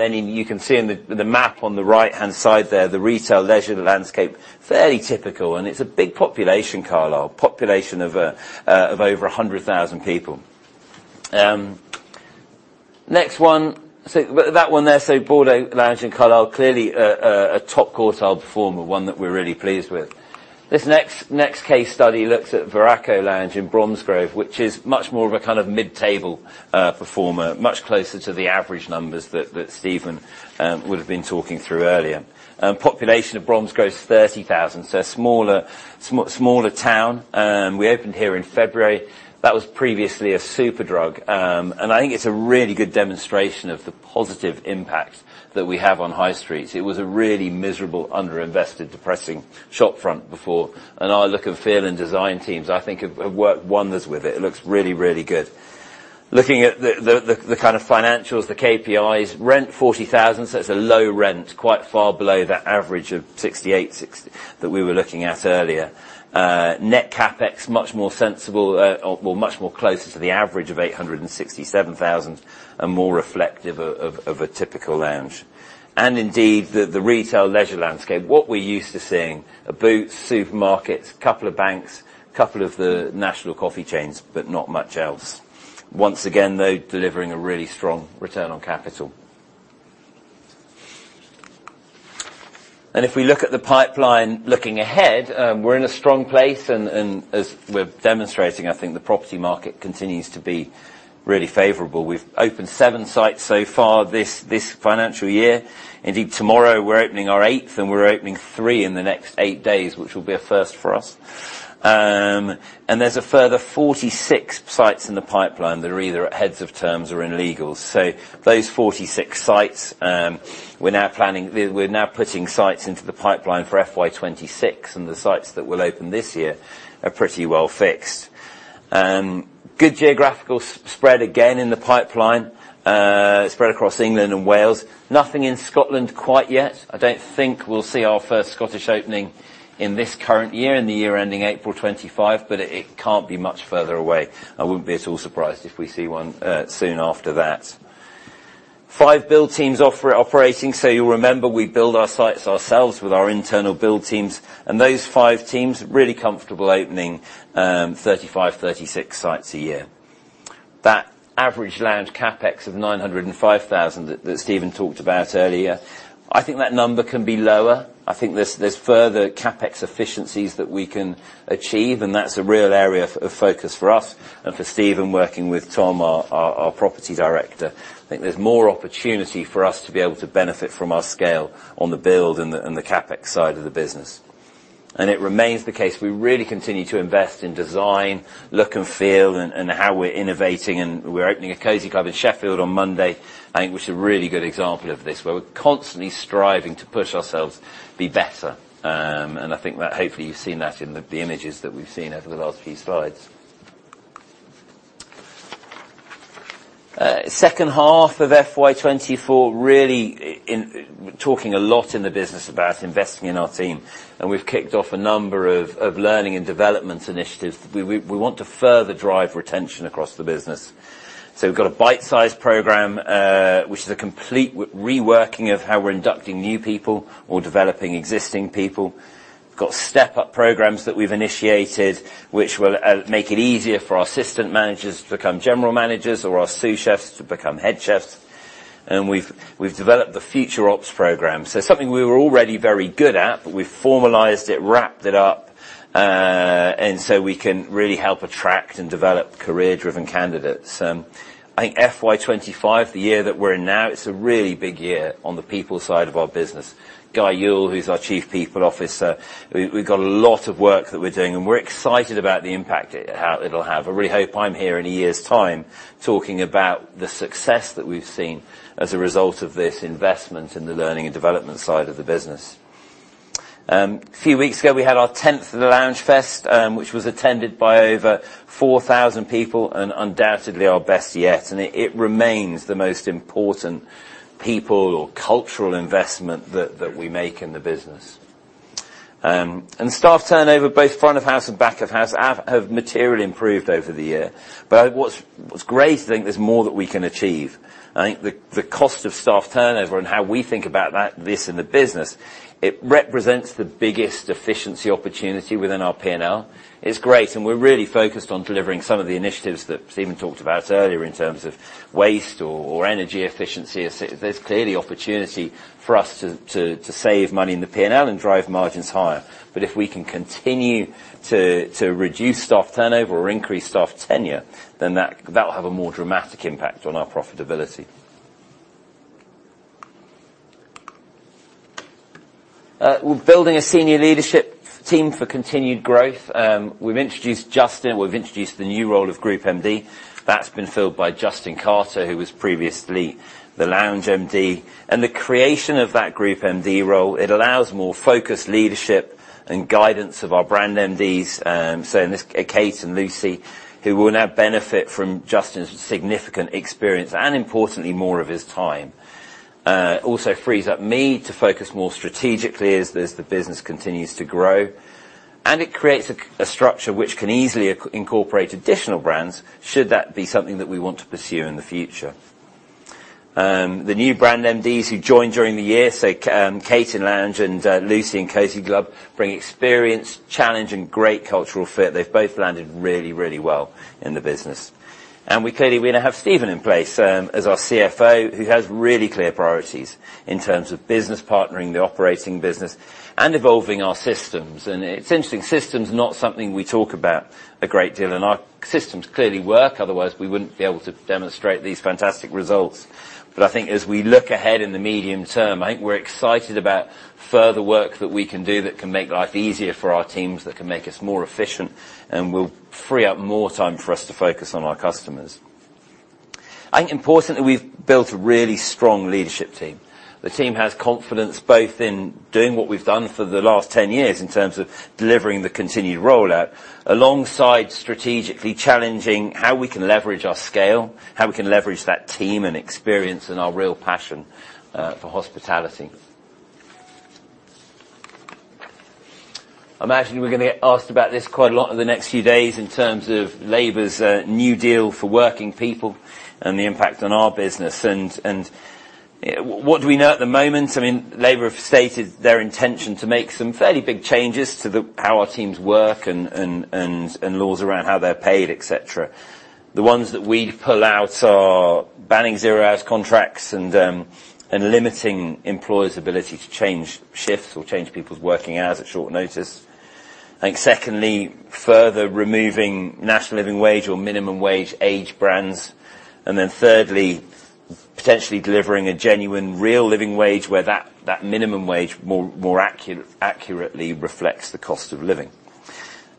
then you can see in the map on the right-hand side there, the retail leisure landscape, fairly typical, and it's a big population, Carlisle, population of over 100,000 people. Next one, so but that one there, so Bardo Lounge in Carlisle, clearly a top-quartile performer, one that we're really pleased with. This next case study looks at Verraco Lounge in Bromsgrove, which is much more of a kind of mid-table performer, much closer to the average numbers that Stephen would have been talking through earlier. Population of Bromsgrove is 30,000, so a smaller town. We opened here in February. That was previously a Superdrug, and I think it's a really good demonstration of the positive impact that we have on high streets. It was a really miserable, underinvested, depressing shopfront before, and our look and feel and design teams, I think, have worked wonders with it. It looks really, really good. Looking at the kind of financials, the KPIs, rent 40,000, so it's a low rent, quite far below the average of 68, 60... that we were looking at earlier. Net CapEx, much more sensible, or well, much more closer to the average of 867,000, and more reflective of a typical Lounge. And indeed, the retail leisure landscape, what we're used to seeing, a Boots, supermarkets, couple of banks, couple of the national coffee chains, but not much else. Once again, though, delivering a really strong return on capital. If we look at the pipeline, looking ahead, we're in a strong place, and as we're demonstrating, I think the property market continues to be really favorable. We've opened 7 sites so far this financial year. Indeed, tomorrow, we're opening our 8th, and we're opening 3 in the next 8 days, which will be a first for us. There's a further 46 sites in the pipeline that are either at heads of terms or in legal. So those 46 sites, we're now putting sites into the pipeline for FY 2026, and the sites that will open this year are pretty well fixed. Good geographical spread again in the pipeline, spread across England and Wales. Nothing in Scotland quite yet. I don't think we'll see our first Scottish opening in this current year, in the year ending April 2025, but it can't be much further away. I wouldn't be at all surprised if we see one soon after that. Five build teams operating. So you'll remember, we build our sites ourselves with our internal build teams, and those five teams really comfortable opening 35-36 sites a year. That average Lounge CapEx of 905,000 that Stephen talked about earlier, I think that number can be lower. I think there's further CapEx efficiencies that we can achieve, and that's a real area of focus for us and for Stephen working with Tom, our property director. I think there's more opportunity for us to be able to benefit from our scale on the build and the CapEx side of the business. And it remains the case, we really continue to invest in design, look and feel, and how we're innovating, and we're opening a Cosy Club in Sheffield on Monday, I think, which is a really good example of this, where we're constantly striving to push ourselves to be better. And I think that hopefully, you've seen that in the images that we've seen over the last few slides. Second half of FY 2024, really talking a lot in the business about investing in our team, and we've kicked off a number of learning and development initiatives. We want to further drive retention across the business. So we've got a Byte Size program, which is a complete reworking of how we're inducting new people or developing existing people. We've got Step Up programs that we've initiated, which will make it easier for our assistant managers to become general managers or our sous chefs to become head chefs. And we've developed the Future Ops program. So something we were already very good at, but we formalized it, wrapped it up, and so we can really help attract and develop career-driven candidates. I think FY 2025, the year that we're in now, it's a really big year on the people side of our business. Guy Youll, who's our Chief People Officer, we've got a lot of work that we're doing, and we're excited about the impact it'll have. I really hope I'm here in a year's time talking about the success that we've seen as a result of this investment in the learning and development side of the business. A few weeks ago, we had our tenth Loungefest, which was attended by over 4,000 people and undoubtedly our best yet, and it remains the most important people or cultural investment that we make in the business. And staff turnover, both front of house and back of house, have materially improved over the year. But what's great, I think there's more that we can achieve. I think the cost of staff turnover and how we think about that, this in the business, it represents the biggest efficiency opportunity within our P&L. It's great, and we're really focused on delivering some of the initiatives that Stephen talked about earlier in terms of waste or energy efficiency. There's clearly opportunity for us to save money in the P&L and drive margins higher. But if we can continue to reduce staff turnover or increase staff tenure, then that will have a more dramatic impact on our profitability. We're building a senior leadership team for continued growth. We've introduced Justin, we've introduced the new role of Group MD. That's been filled by Justin Carter, who was previously the Lounge MD. And the creation of that Group MD role, it allows more focused leadership and guidance of our brand MDs, so in this, Kate and Lucy, who will now benefit from Justin's significant experience, and importantly, more of his time. It also frees up me to focus more strategically as this, the business continues to grow, and it creates a, a structure which can easily incorporate additional brands, should that be something that we want to pursue in the future. The new brand MDs who joined during the year, Kate in Lounge and Lucy in Cosy Club, bring experience, challenge, and great cultural fit. They've both landed really, really well in the business. We clearly, we now have Stephen in place as our CFO, who has really clear priorities in terms of business partnering, the operating business, and evolving our systems. It's interesting, systems not something we talk about a great deal, and our systems clearly work, otherwise, we wouldn't be able to demonstrate these fantastic results. But I think as we look ahead in the medium term, I think we're excited about further work that we can do that can make life easier for our teams, that can make us more efficient, and will free up more time for us to focus on our customers. I think importantly, we've built a really strong leadership team. The team has confidence both in doing what we've done for the last 10 years in terms of delivering the continued rollout, alongside strategically challenging how we can leverage our scale, how we can leverage that team and experience and our real passion for hospitality. I imagine we're gonna get asked about this quite a lot in the next few days in terms of Labour's New Deal for Working People and the impact on our business. And what do we know at the moment? I mean, Labour have stated their intention to make some fairly big changes to the how our teams work and laws around how they're paid, et cetera. The ones that we pull out are banning zero-hours contracts and limiting employers' ability to change shifts or change people's working hours at short notice. I think secondly, further removing National Living Wage or minimum wage age bands. And then thirdly, potentially delivering a genuine, real living wage where that minimum wage more accurately reflects the cost of living.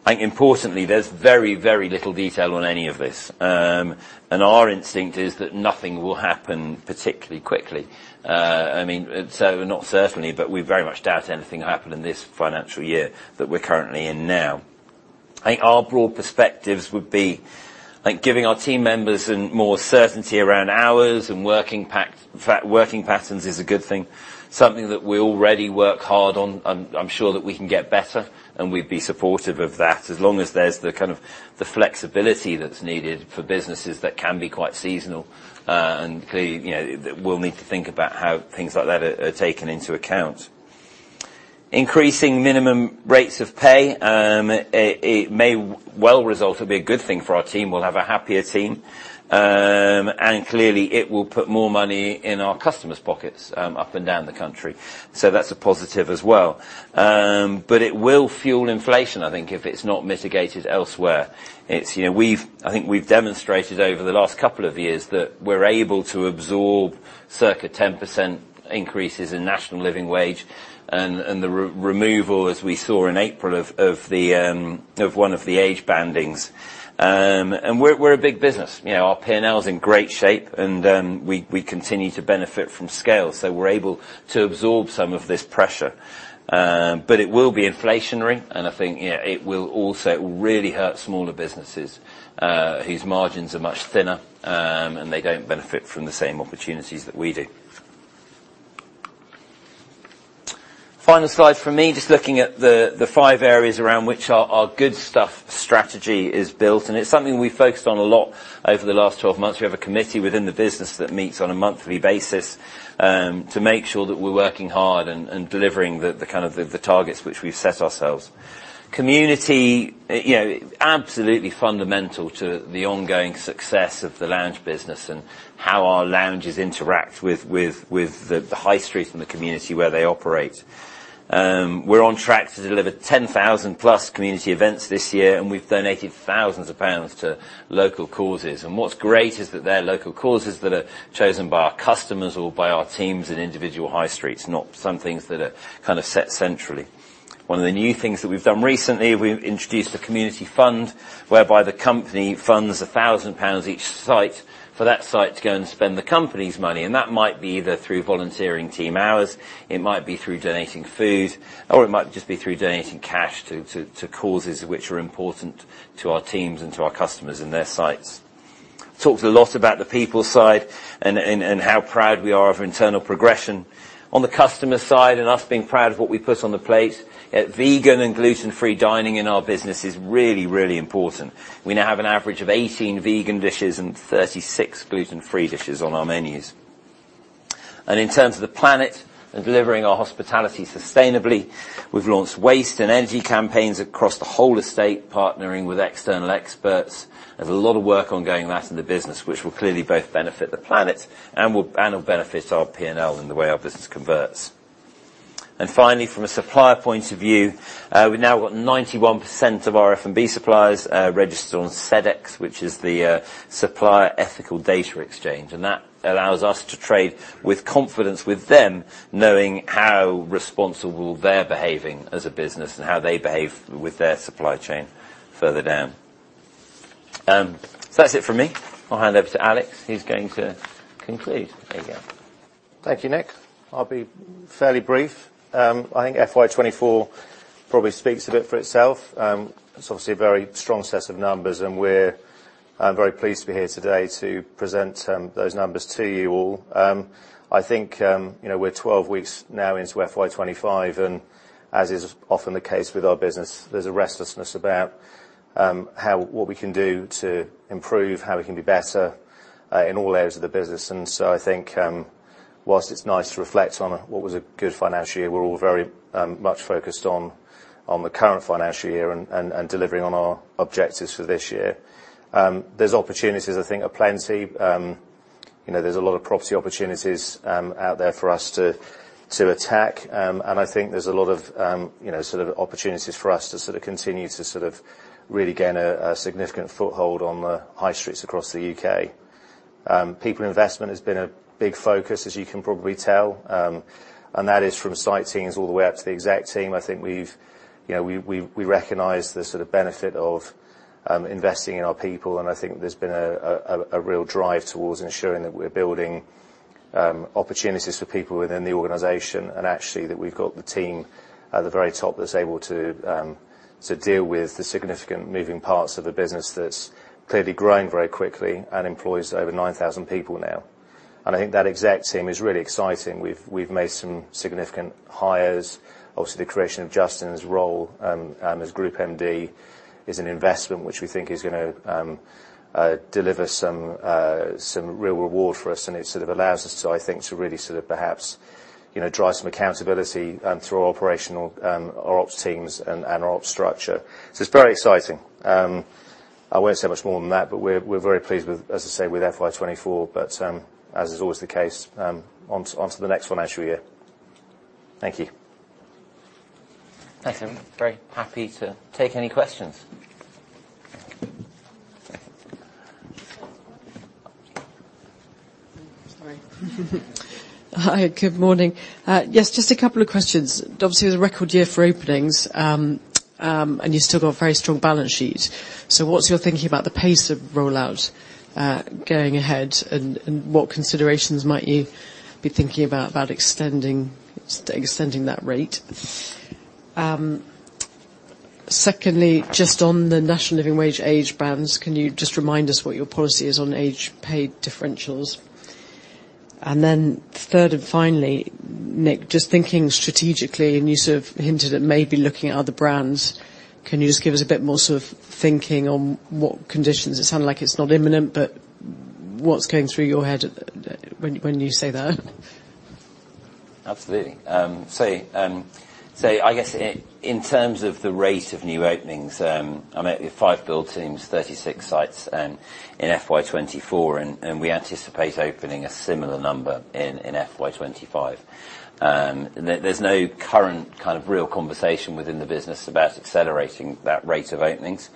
I think importantly, there's very, very little detail on any of this. Our instinct is that nothing will happen particularly quickly. I mean, so not certainly, but we very much doubt anything will happen in this financial year that we're currently in now. I think our broad perspectives would be, like, giving our team members more certainty around hours and working patterns is a good thing, something that we already work hard on, and I'm sure that we can get better, and we'd be supportive of that, as long as there's the kind of the flexibility that's needed for businesses that can be quite seasonal. You know, we'll need to think about how things like that are taken into account. Increasing minimum rates of pay, it may well result to be a good thing for our team. We'll have a happier team. And clearly, it will put more money in our customers' pockets, up and down the country, so that's a positive as well. But it will fuel inflation, I think, if it's not mitigated elsewhere. It's, you know, we've I think we've demonstrated over the last couple of years that we're able to absorb circa 10% increases in National Living Wage and, and the removal, as we saw in April, of one of the age bandings. And we're a big business. You know, our P&L is in great shape, and we continue to benefit from scale, so we're able to absorb some of this pressure. But it will be inflationary, and I think, you know, it will also really hurt smaller businesses, whose margins are much thinner, and they don't benefit from the same opportunities that we do. Final slide for me, just looking at the five areas around which our Good Stuff strategy is built, and it's something we've focused on a lot over the last 12 months. We have a committee within the business that meets on a monthly basis to make sure that we're working hard and delivering the kind of targets which we've set ourselves. Community, you know, absolutely fundamental to the ongoing success of the Lounge business and how our Lounges interact with the high street and the community where they operate. We're on track to deliver 10,000+ community events this year, and we've donated thousands of pounds to local causes. And what's great is that they're local causes that are chosen by our customers or by our teams in individual high streets, not some things that are kind of set centrally. One of the new things that we've done recently, we've introduced a community fund, whereby the company funds 1,000 pounds each site, for that site to go and spend the company's money, and that might be either through volunteering team hours, it might be through donating food, or it might just be through donating cash to causes which are important to our teams and to our customers and their sites. Talked a lot about the people side and how proud we are of internal progression. On the customer side and us being proud of what we put on the plate, vegan and gluten-free dining in our business is really, really important. We now have an average of 18 vegan dishes and 36 gluten-free dishes on our menus. And in terms of the planet and delivering our hospitality sustainably, we've launched waste and energy campaigns across the whole estate, partnering with external experts. There's a lot of work ongoing in that in the business, which will clearly both benefit the planet and will, and will benefit our P&L in the way our business converts. And finally, from a supplier point of view, we've now got 91% of our F&B suppliers registered on Sedex, which is the Supplier Ethical Data Exchange, and that allows us to trade with confidence with them, knowing how responsible they're behaving as a business and how they behave with their supply chain further down. So that's it for me. I'll hand over to Alex, who's going to conclude. There you go. Thank you, Nick. I'll be fairly brief. I think FY 2024 probably speaks a bit for itself. It's obviously a very strong set of numbers, and we're very pleased to be here today to present those numbers to you all. I think, you know, we're 12 weeks now into FY 2025, and as is often the case with our business, there's a restlessness about what we can do to improve, how we can be better in all areas of the business. So I think, while it's nice to reflect on what was a good financial year, we're all very much focused on the current financial year and delivering on our objectives for this year. There's opportunities, I think, aplenty. You know, there's a lot of property opportunities out there for us to attack. And I think there's a lot of, you know, sort of opportunities for us to sort of continue to sort of really gain a significant foothold on the high streets across the U.K. People investment has been a big focus, as you can probably tell, and that is from site teams all the way up to the exec team. I think we've, you know, we recognize the sort of benefit of investing in our people, and I think there's been a real drive towards ensuring that we're building opportunities for people within the organization and actually that we've got the team at the very top that's able to deal with the significant moving parts of a business that's clearly growing very quickly and employs over 9,000 people now. I think that exec team is really exciting. We've made some significant hires. Obviously, the creation of Justin's role as Group MD is an investment which we think is gonna deliver some real reward for us, and it sort of allows us to, I think, to really sort of perhaps, you know, drive some accountability through our operational our ops teams and our ops structure. So it's very exciting. I won't say much more than that, but we're very pleased with, as I say, with FY 2024, but as is always the case, on to the next financial year. Thank you. Thanks, everyone. Very happy to take any questions. Sorry. Hi, good morning. Yes, just a couple of questions. Obviously, it was a record year for openings, and you've still got a very strong balance sheet. So what's your thinking about the pace of rollout, going ahead, and what considerations might you be thinking about extending that rate? Secondly, just on the National Living Wage age bands, can you just remind us what your policy is on age pay differentials? And then third and finally, Nick, just thinking strategically, and you sort of hinted at maybe looking at other brands, can you just give us a bit more sort of thinking on what conditions? It sounded like it's not imminent, but what's going through your head at the, when you say that? Absolutely. So I guess in terms of the rate of new openings, I mean, with 5 build teams, 36 sites in FY 2024, and we anticipate opening a similar number in FY 2025. There's no current kind of real conversation within the business about accelerating that rate of openings.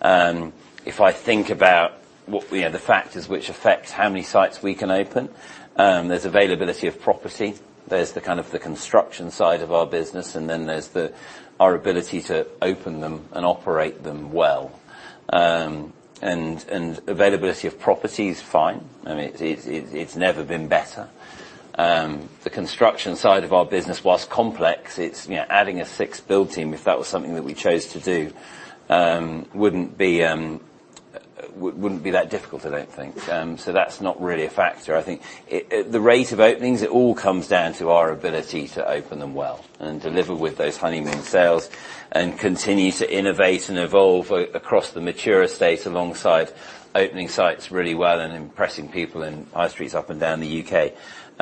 And if I think about what, you know, the factors which affect how many sites we can open, there's availability of property, there's the kind of construction side of our business, and then there's our ability to open them and operate them well. And availability of property is fine. I mean, it's never been better. The construction side of our business, while complex, it's, you know, adding a sixth build team, if that was something that we chose to do, wouldn't be that difficult, I don't think. So that's not really a factor. I think it, the rate of openings, it all comes down to our ability to open them well and deliver with those honeymoon sales and continue to innovate and evolve across the mature estate, alongside opening sites really well and impressing people in high streets up and down the UK.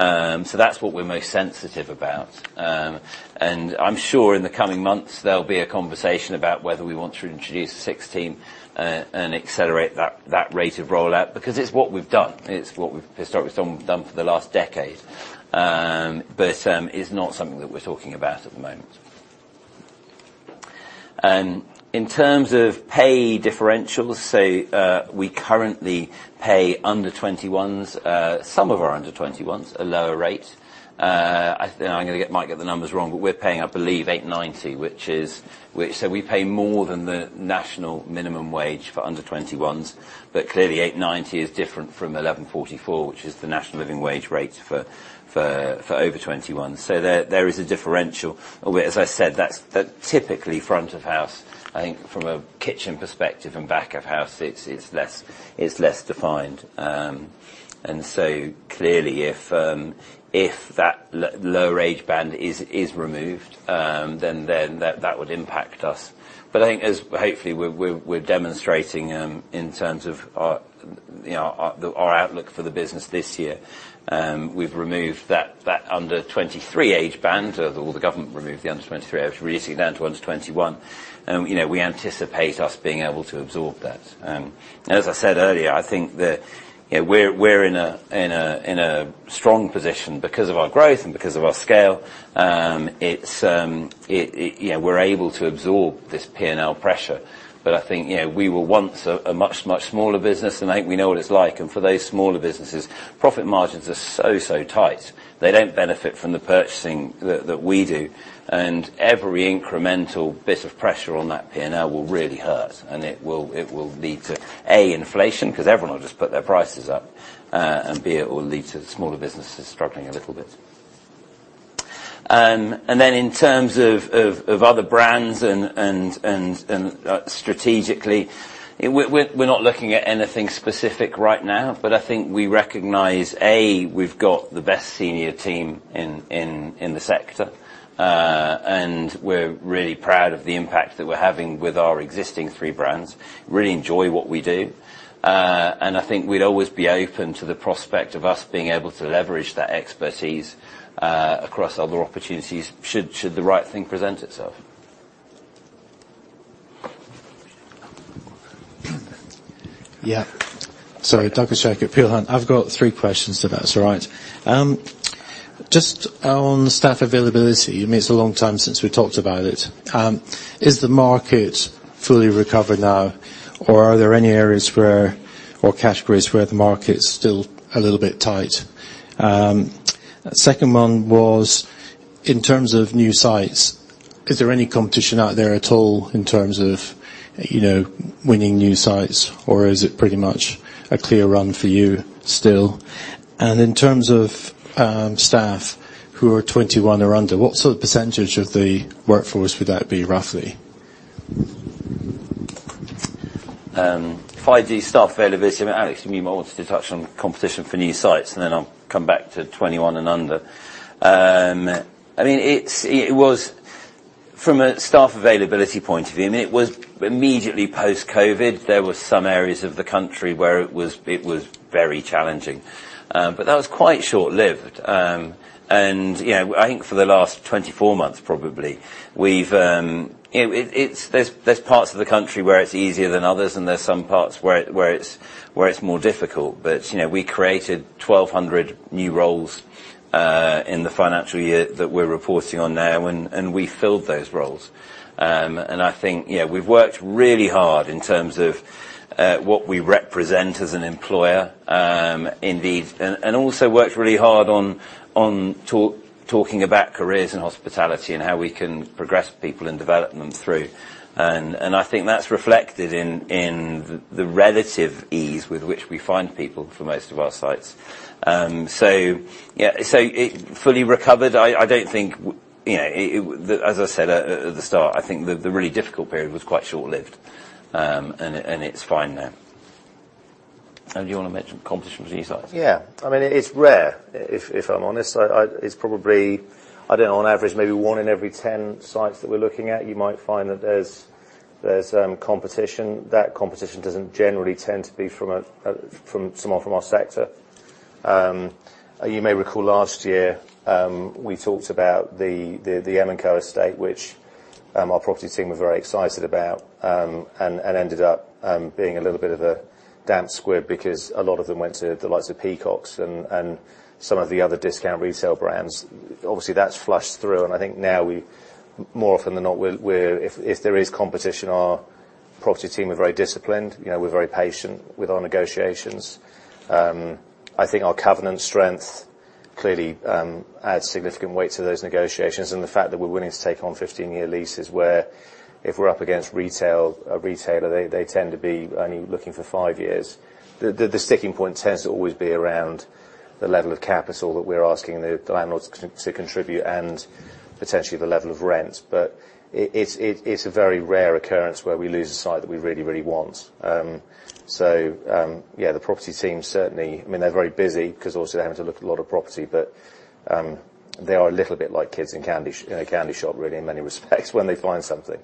So that's what we're most sensitive about. And I'm sure in the coming months, there'll be a conversation about whether we want to introduce a sixth team, and accelerate that, that rate of rollout, because it's what we've done. It's what we've historically done for the last decade. But it's not something that we're talking about at the moment. In terms of pay differentials, we currently pay under 21s, some of our under 21s, a lower rate. I might get the numbers wrong, but we're paying, I believe, 8.90. So we pay more than the national minimum wage for under 21s, but clearly, 8.90 is different from 11.44, which is the National Living Wage rate for over 21s. So there is a differential. As I said, that's typically front of house. I think from a kitchen perspective and back of house, it's less defined. And so clearly, if that lower age band is removed, then that would impact us. But I think as hopefully we're demonstrating, in terms of our, you know, our outlook for the business this year, we've removed that under 23 age band, or the government removed the under 23, reducing it down to under 21. You know, we anticipate us being able to absorb that. As I said earlier, I think that, you know, we're in a strong position because of our growth and because of our scale. It, you know, we're able to absorb this P&L pressure. But I think, you know, we were once a much smaller business, and I think we know what it's like. And for those smaller businesses, profit margins are so tight. They don't benefit from the purchasing that we do, and every incremental bit of pressure on that P&L will really hurt, and it will lead to, A, inflation, 'cause everyone will just put their prices up, and, B, it will lead to the smaller businesses struggling a little bit. And then in terms of other brands and strategically, we're not looking at anything specific right now, but I think we recognize, A, we've got the best senior team in the sector, and we're really proud of the impact that we're having with our existing three brands. Really enjoy what we do, and I think we'd always be open to the prospect of us being able to leverage that expertise across other opportunities, should the right thing present itself. Yeah. Sorry. Douglas Jack at Peel Hunt. I've got three questions, if that's all right. Just on staff availability, I mean, it's a long time since we talked about it. Is the market fully recovered now, or are there any areas where, or categories where the market's still a little bit tight? Second one was, in terms of new sites, is there any competition out there at all in terms of, you know, winning new sites, or is it pretty much a clear run for you still? And in terms of, staff who are 21 or under, what sort of percentage of the workforce would that be, roughly? Gen Z staff availability. Alex, you may want to touch on competition for new sites, and then I'll come back to 21 and under. I mean, it's, it was from a staff availability point of view, I mean, it was immediately post-COVID. There were some areas of the country where it was, it was very challenging, but that was quite short-lived. And, you know, I think for the last 24 months, probably, we've... You know, it, it's, there's, there's parts of the country where it's easier than others, and there's some parts where, where it's, where it's more difficult. But, you know, we created 1,200 new roles in the financial year that we're reporting on now, and, and we filled those roles. And I think, yeah, we've worked really hard in terms of what we represent as an employer, indeed, and also worked really hard on talking about careers in hospitality and how we can progress people and develop them through. And I think that's reflected in the relative ease with which we find people for most of our sites. So yeah, so it fully recovered. I don't think, you know, it, it. As I said at the start, I think the really difficult period was quite short-lived, and it's fine now. Do you wanna mention competition for new sites? Yeah. I mean, it's rare, if I'm honest. It's probably, I don't know, on average, maybe one in every ten sites that we're looking at, you might find that there's competition. That competition doesn't generally tend to be from someone from our sector. You may recall last year, we talked about the M&Co. estate, which our property team were very excited about, and ended up being a little bit of a damp squib because a lot of them went to the likes of Peacocks and some of the other discount retail brands. Obviously, that's flushed through, and I think now, more often than not, we're, if there is competition, our property team are very disciplined. You know, we're very patient with our negotiations. I think our covenant strength clearly adds significant weight to those negotiations and the fact that we're willing to take on 15-year leases, where if we're up against retail, a retailer, they tend to be only looking for 5 years. The sticking point tends to always be around the level of capital that we're asking the landlords to contribute and potentially the level of rent. But it's a very rare occurrence where we lose a site that we really want. So yeah, the property team certainly... I mean, they're very busy because also they're having to look at a lot of property, but they are a little bit like kids in candy, you know, a candy shop, really, in many respects, when they find something.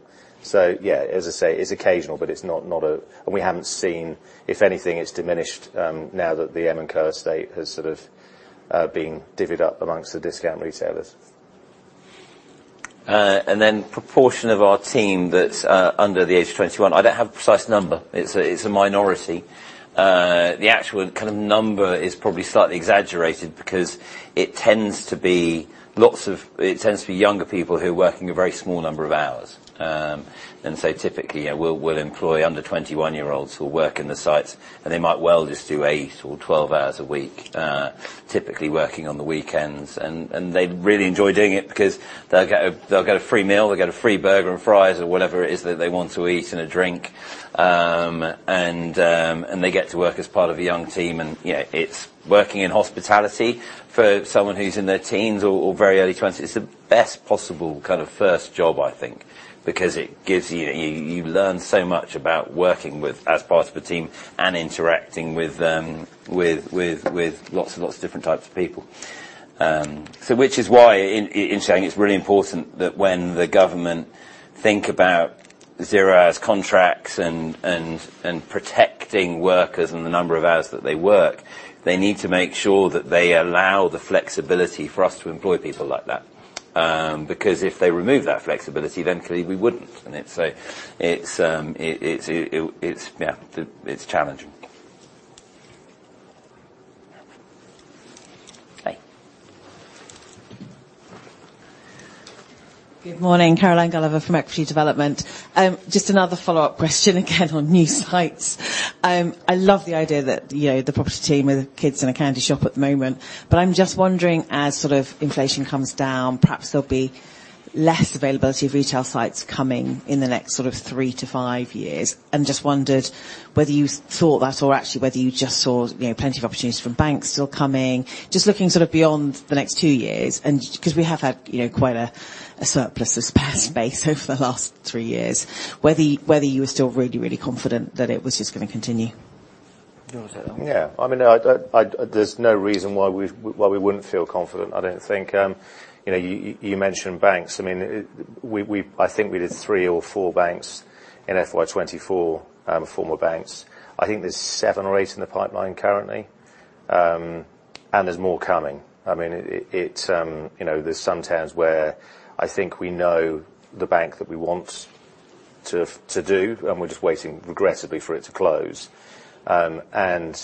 So yeah, as I say, it's occasional, but it's not a... We haven't seen, if anything, it's diminished now that the Arcadia estate has sort of been divvied up amongst the discount retailers. And then proportion of our team that's under the age of 21, I don't have a precise number. It's a minority. The actual kind of number is probably slightly exaggerated because it tends to be lots of... It tends to be younger people who are working a very small number of hours. And so typically, you know, we'll employ under 21 year olds who work in the sites, and they might well just do 8 or 12 hours a week, typically working on the weekends. And they really enjoy doing it because they'll get a free meal, they'll get a free burger and fries or whatever it is that they want to eat and a drink. And they get to work as part of a young team, and, you know, it's working in hospitality for someone who's in their teens or very early twenties, it's the best possible kind of first job, I think, because it gives you... You learn so much about working as part of a team and interacting with lots and lots of different types of people. So which is why, in saying, it's really important that when the government think about zero-hours contracts and protecting workers and the number of hours that they work, they need to make sure that they allow the flexibility for us to employ people like that. Because if they remove that flexibility, then clearly we wouldn't. And it's, so, it's challenging. hi, Good morning, Caroline Gulliver from Equity Development. Just another follow-up question again, on new sites. I love the idea that, you know, the property team are the kids in a candy shop at the moment, but I'm just wondering, as sort of inflation comes down, perhaps there'll be less availability of retail sites coming in the next sort of three to five years, and just wondered whether you thought that or actually whether you just saw, you know, plenty of opportunities from banks still coming. Just looking sort of beyond the next two years, and because we have had, you know, quite a surplus of spare space over the last three years, whether you were still really, really confident that it was just gonna continue? nick You want to take that one? Yeah. I mean, there's no reason why we wouldn't feel confident, I don't think. You know, you mentioned banks. I mean, I think we did three or four banks in FY 2024, former banks. I think there's seven or eight in the pipeline currently, and there's more coming. I mean, you know, there's some towns where I think we know the bank that we want to do, and we're just waiting aggressively for it to close. And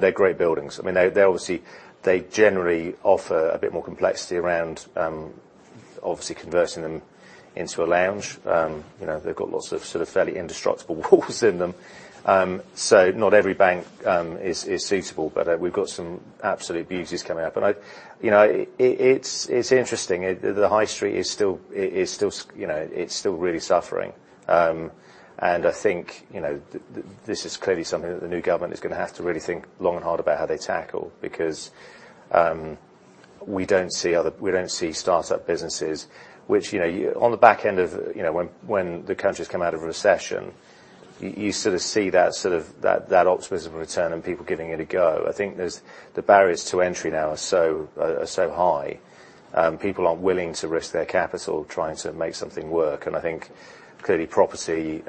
they're great buildings. I mean, they obviously, they generally offer a bit more complexity around, obviously, converting them into a Lounge. You know, they've got lots of sort of fairly indestructible walls in them. So not every bank is suitable, but we've got some absolute beauties coming up. You know, it's interesting. The High Street is still really suffering. And I think, you know, this is clearly something that the new government is gonna have to really think long and hard about how they tackle, because we don't see startup businesses, which, you know, on the back end of, you know, when the country's come out of a recession, you sort of see that sort of, that optimism return and people giving it a go. I think the barriers to entry now are so high, people aren't willing to risk their capital trying to make something work, and I think clearly property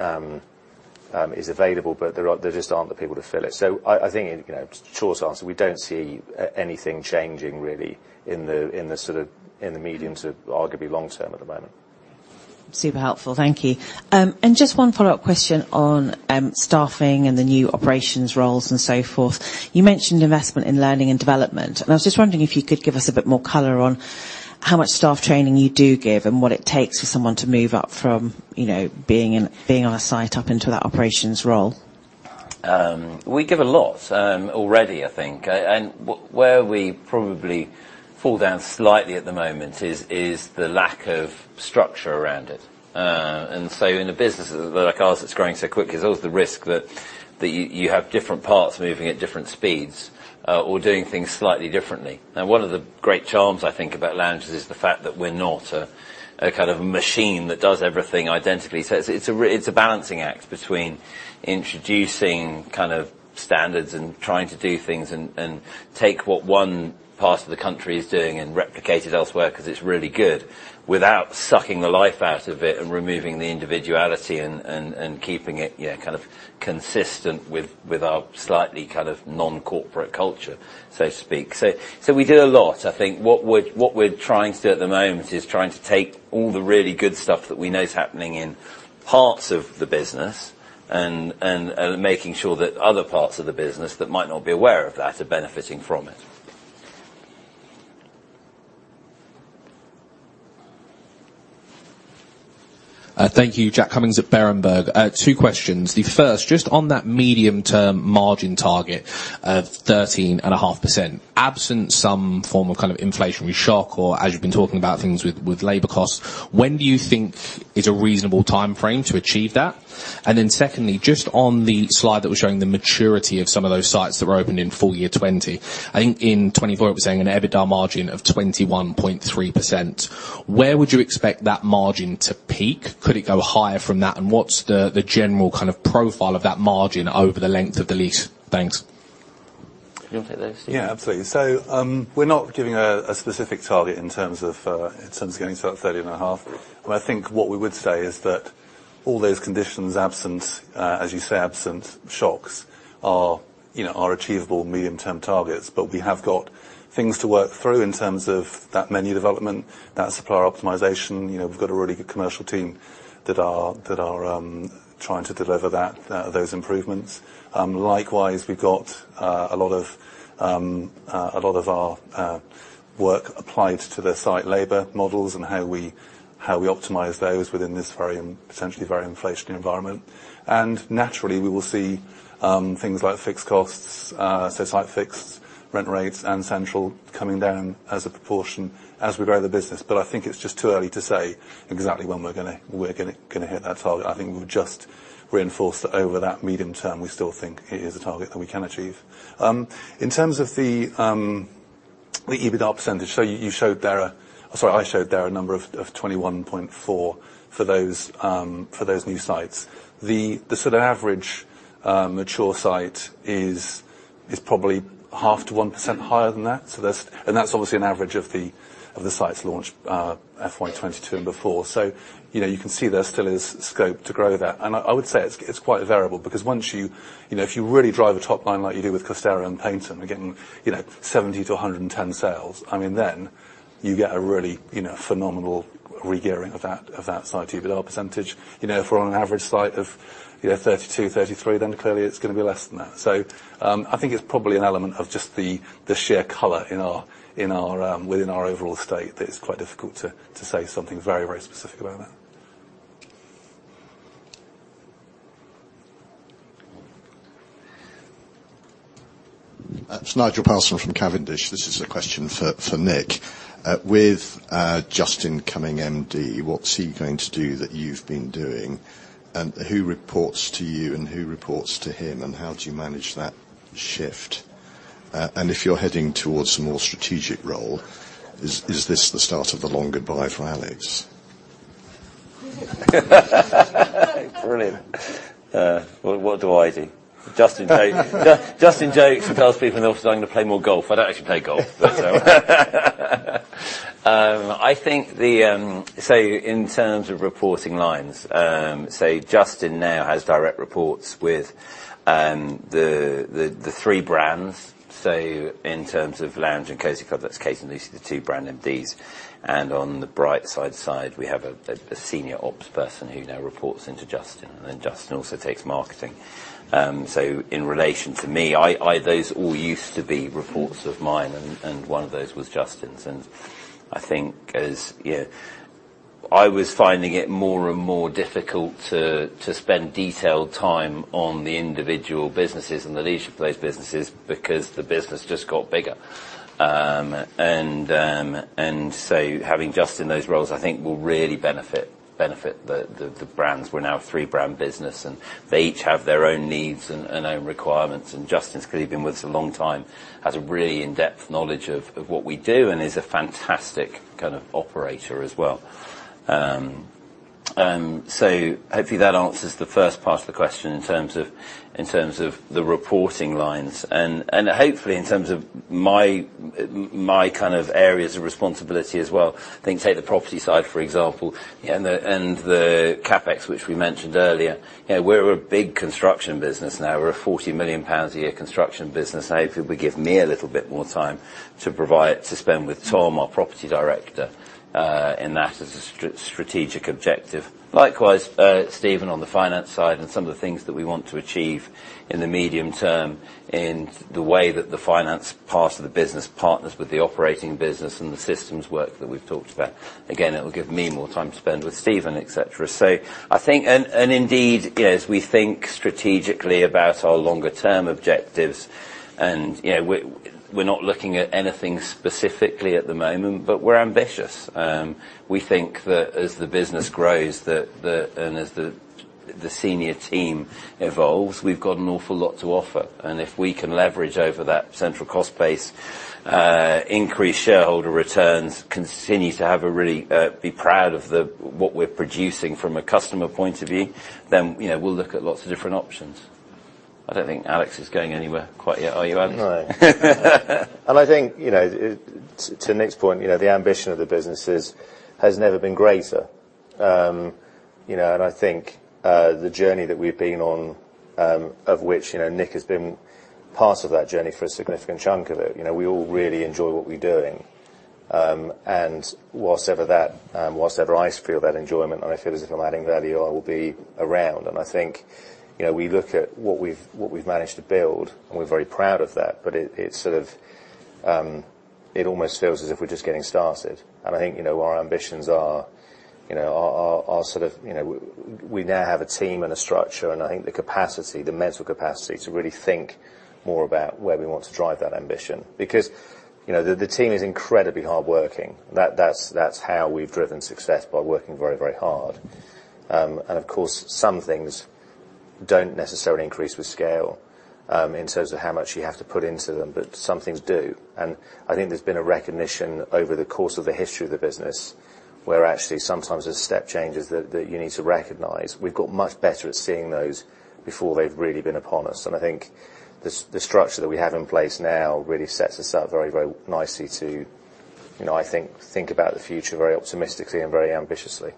is available, but there just aren't the people to fill it. So I think, you know, short answer, we don't see anything changing really in the sort of medium to arguably long term at the moment. Super helpful. Thank you. Just one follow-up question on staffing and the new operations roles and so forth. You mentioned investment in learning and development, and I was just wondering if you could give us a bit more color on how much staff training you do give, and what it takes for someone to move up from, you know, being on a site up into that operations role? We give a lot already, I think. And where we probably fall down slightly at the moment is the lack of structure around it. And so in a business like ours, that's growing so quick, there's always the risk that you have different parts moving at different speeds, or doing things slightly differently. Now, one of the great charms I think about Loungers is the fact that we're not a kind of machine that does everything identically. So it's a balancing act between introducing kind of standards and trying to do things and take what one part of the country is doing and replicate it elsewhere, 'cause it's really good, without sucking the life out of it and removing the individuality and keeping it, yeah, kind of consistent with our slightly kind of non-corporate culture, so to speak. So we do a lot. I think what we're trying to do at the moment is trying to take all the really good stuff that we know is happening in parts of the business and making sure that other parts of the business that might not be aware of that are benefiting from it. Thank you. Jack Cummings at Berenberg. Two questions. The first, just on that medium-term margin target of 13.5%, absent some form of kind of inflationary shock or, as you've been talking about, things with, with labor costs, when do you think is a reasonable timeframe to achieve that? And then secondly, just on the slide that was showing the maturity of some of those sites that were opened in full year 2020, I think in 2024, it was saying an EBITDA margin of 21.3%. Where would you expect that margin to peak? Could it go higher from that? And what's the, the general kind of profile of that margin over the length of the lease? Thanks. Stephen, You want to take those? Yeah, absolutely. So, we're not giving a specific target in terms of getting to that 30.5. But I think what we would say is that all those conditions, absent, as you say, absent shocks, are, you know, are achievable medium-term targets. But we have got things to work through in terms of that menu development, that supplier optimization. You know, we've got a really good commercial team that are trying to deliver that, those improvements. Likewise, we've got a lot of our work applied to the site labor models and how we optimize those within this very, potentially very inflationary environment. And naturally, we will see things like fixed costs, so site fixed, rent rates, and central coming down as a proportion as we grow the business. But I think it's just too early to say exactly when we're gonna hit that target. I think we've just reinforced that over that medium term, we still think it is a target that we can achieve. In terms of the EBITDA percentage, so you showed there a... Sorry, I showed there a number of 21.4% for those new sites. The sort of average mature site is probably 0.5%-1% higher than that. So that's and that's obviously an average of the sites launched FY 2022 and before. So, you know, you can see there still is scope to grow there. I would say it's quite a variable, because once you... You know, if you really drive a top line like you do with Costero and Paignton, and getting, you know, 70-110 sales, I mean, then you get a really, you know, phenomenal regearing of that, of that site EBITDA percentage. You know, if we're on an average site of, you know, 32, 33, then clearly it's gonna be less than that. So, I think it's probably an element of just the, the sheer color in our, in our, within our overall estate, that it's quite difficult to, to say something very, very specific about that. It's Nigel Parson from Cavendish. This is a question for, for Nick. With, Justin coming MD, what's he going to do that you've been doing? And who reports to you, and who reports to him, and how do you manage that shift? And if you're heading towards a more strategic role, is this the start of the long goodbye for Alex? Brilliant. Well, what do I do? Justin jokes tells people they're starting to play more golf. I don't actually play golf. I think, in terms of reporting lines, Justin now has direct reports with the three brands. So in terms of Lounge and Cosy Club, that's Case and Lucy, the two brand MDs. And on brightside, we have a senior ops person who now reports into Justin, and then Justin also takes marketing. So in relation to me, those all used to be reports of mine, and one of those was Justin's. I think I was finding it more and more difficult to spend detailed time on the individual businesses and the leadership of those businesses, because the business just got bigger. Having Justin in those roles, I think will really benefit the brands. We're now a three-brand business, and they each have their own needs and own requirements. And Justin, because he's been with us a long time, has a really in-depth knowledge of what we do and is a fantastic kind of operator as well. So hopefully that answers the first part of the question in terms of the reporting lines. And hopefully, in terms of my kind of areas of responsibility as well, I think, take the property side, for example, and the CapEx, which we mentioned earlier. You know, we're a big construction business now. We're a 40 million pounds a year construction business. Hopefully, it will give me a little bit more time to provide, to spend with Tom, our property director, and that is a strategic objective. Likewise, Stephen, on the finance side, and some of the things that we want to achieve in the medium term, in the way that the finance part of the business partners with the operating business and the systems work that we've talked about. Again, it will give me more time to spend with Stephen, et cetera. So I think... And indeed, yes, we think strategically about our longer term objectives, and, you know, we're not looking at anything specifically at the moment, but we're ambitious. We think that as the business grows, that the, and as the, the senior team evolves, we've got an awful lot to offer. If we can leverage over that central cost base, increase shareholder returns, continue to have a really, be proud of the, what we're producing from a customer point of view, then, you know, we'll look at lots of different options. I don't think Alex is going anywhere quite yet, are you, Alex? No. And I think, you know, to Nick's point, you know, the ambition of the businesses has never been greater. You know, and I think, the journey that we've been on, of which, you know, Nick has been part of that journey for a significant chunk of it, you know, we all really enjoy what we're doing. And whatsoever I feel that enjoyment, and I feel as if I'm adding value, I will be around. And I think, you know, we look at what we've managed to build, and we're very proud of that, but it's sort of, it almost feels as if we're just getting started. And I think, you know, our ambitions are sort of, you know... We now have a team and a structure, and I think the capacity, the mental capacity, to really think more about where we want to drive that ambition. Because, you know, the team is incredibly hardworking. That's how we've driven success, by working very, very hard. And of course, some things don't necessarily increase with scale, in terms of how much you have to put into them, but some things do. And I think there's been a recognition over the course of the history of the business, where actually sometimes there's step changes that you need to recognize. We've got much better at seeing those before they've really been upon us. I think the structure that we have in place now really sets us up very, very nicely to, you know, I think, think about the future very optimistically and very ambitiously.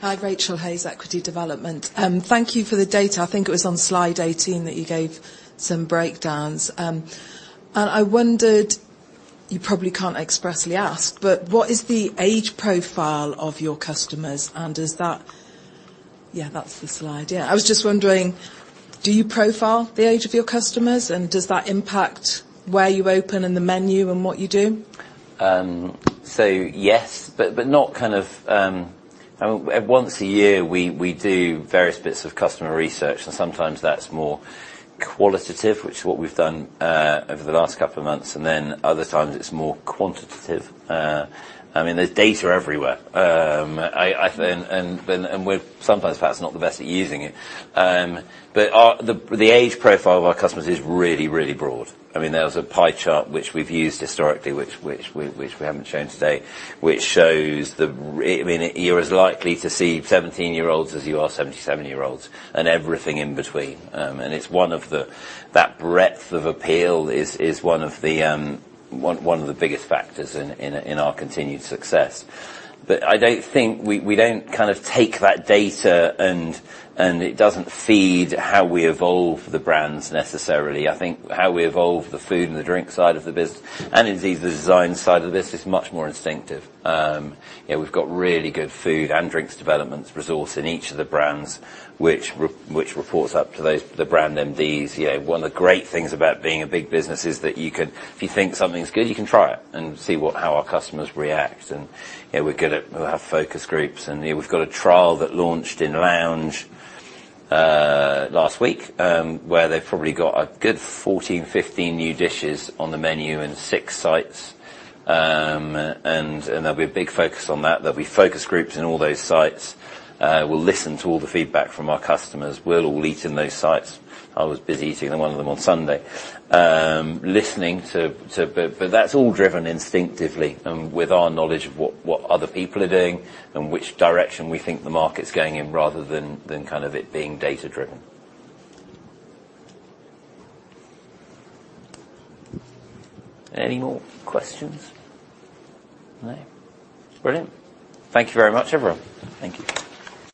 Hi, Rachel Hayes, Equity Development. Thank you for the data. I think it was on slide 18 that you gave some breakdowns. And I wondered, you probably can't expressly ask, but what is the age profile of your customers, and is that... Yeah, that's the slide, yeah. I was just wondering, do you profile the age of your customers, and does that impact where you open, and the menu, and what you do? So yes, but, but not kind of... Once a year, we do various bits of customer research, and sometimes that's more qualitative, which is what we've done over the last couple of months, and then other times, it's more quantitative. I mean, there's data everywhere. And we're sometimes perhaps not the best at using it. But the age profile of our customers is really, really broad. I mean, there was a pie chart, which we've used historically, which we haven't shown today, which shows the re- I mean, you're as likely to see 17-year-olds as you are 77-year-olds, and everything in between. And it's one of the... That breadth of appeal is one of the biggest factors in our continued success. But I don't think... We, we don't kind of take that data, and it doesn't feed how we evolve the brands necessarily. I think how we evolve the food and the drink side of the business, and indeed, the design side of the business, is much more instinctive. You know, we've got really good food and drinks developments resource in each of the brands, which reports up to those, the brand MDs. Yeah, one of the great things about being a big business is that you can if you think something's good, you can try it and see what, how our customers react. And, you know, we're good at. We'll have focus groups, and, you know, we've got a trial that launched in Lounge last week, where they've probably got a good 14, 15 new dishes on the menu in 6 sites. And there'll be a big focus on that. There'll be focus groups in all those sites. We'll listen to all the feedback from our customers. We'll all eat in those sites. I was busy eating in one of them on Sunday. But that's all driven instinctively and with our knowledge of what other people are doing and which direction we think the market's going in, rather than kind of it being data-driven. Any more questions? No? Brilliant. Thank you very much, everyone. Thank you.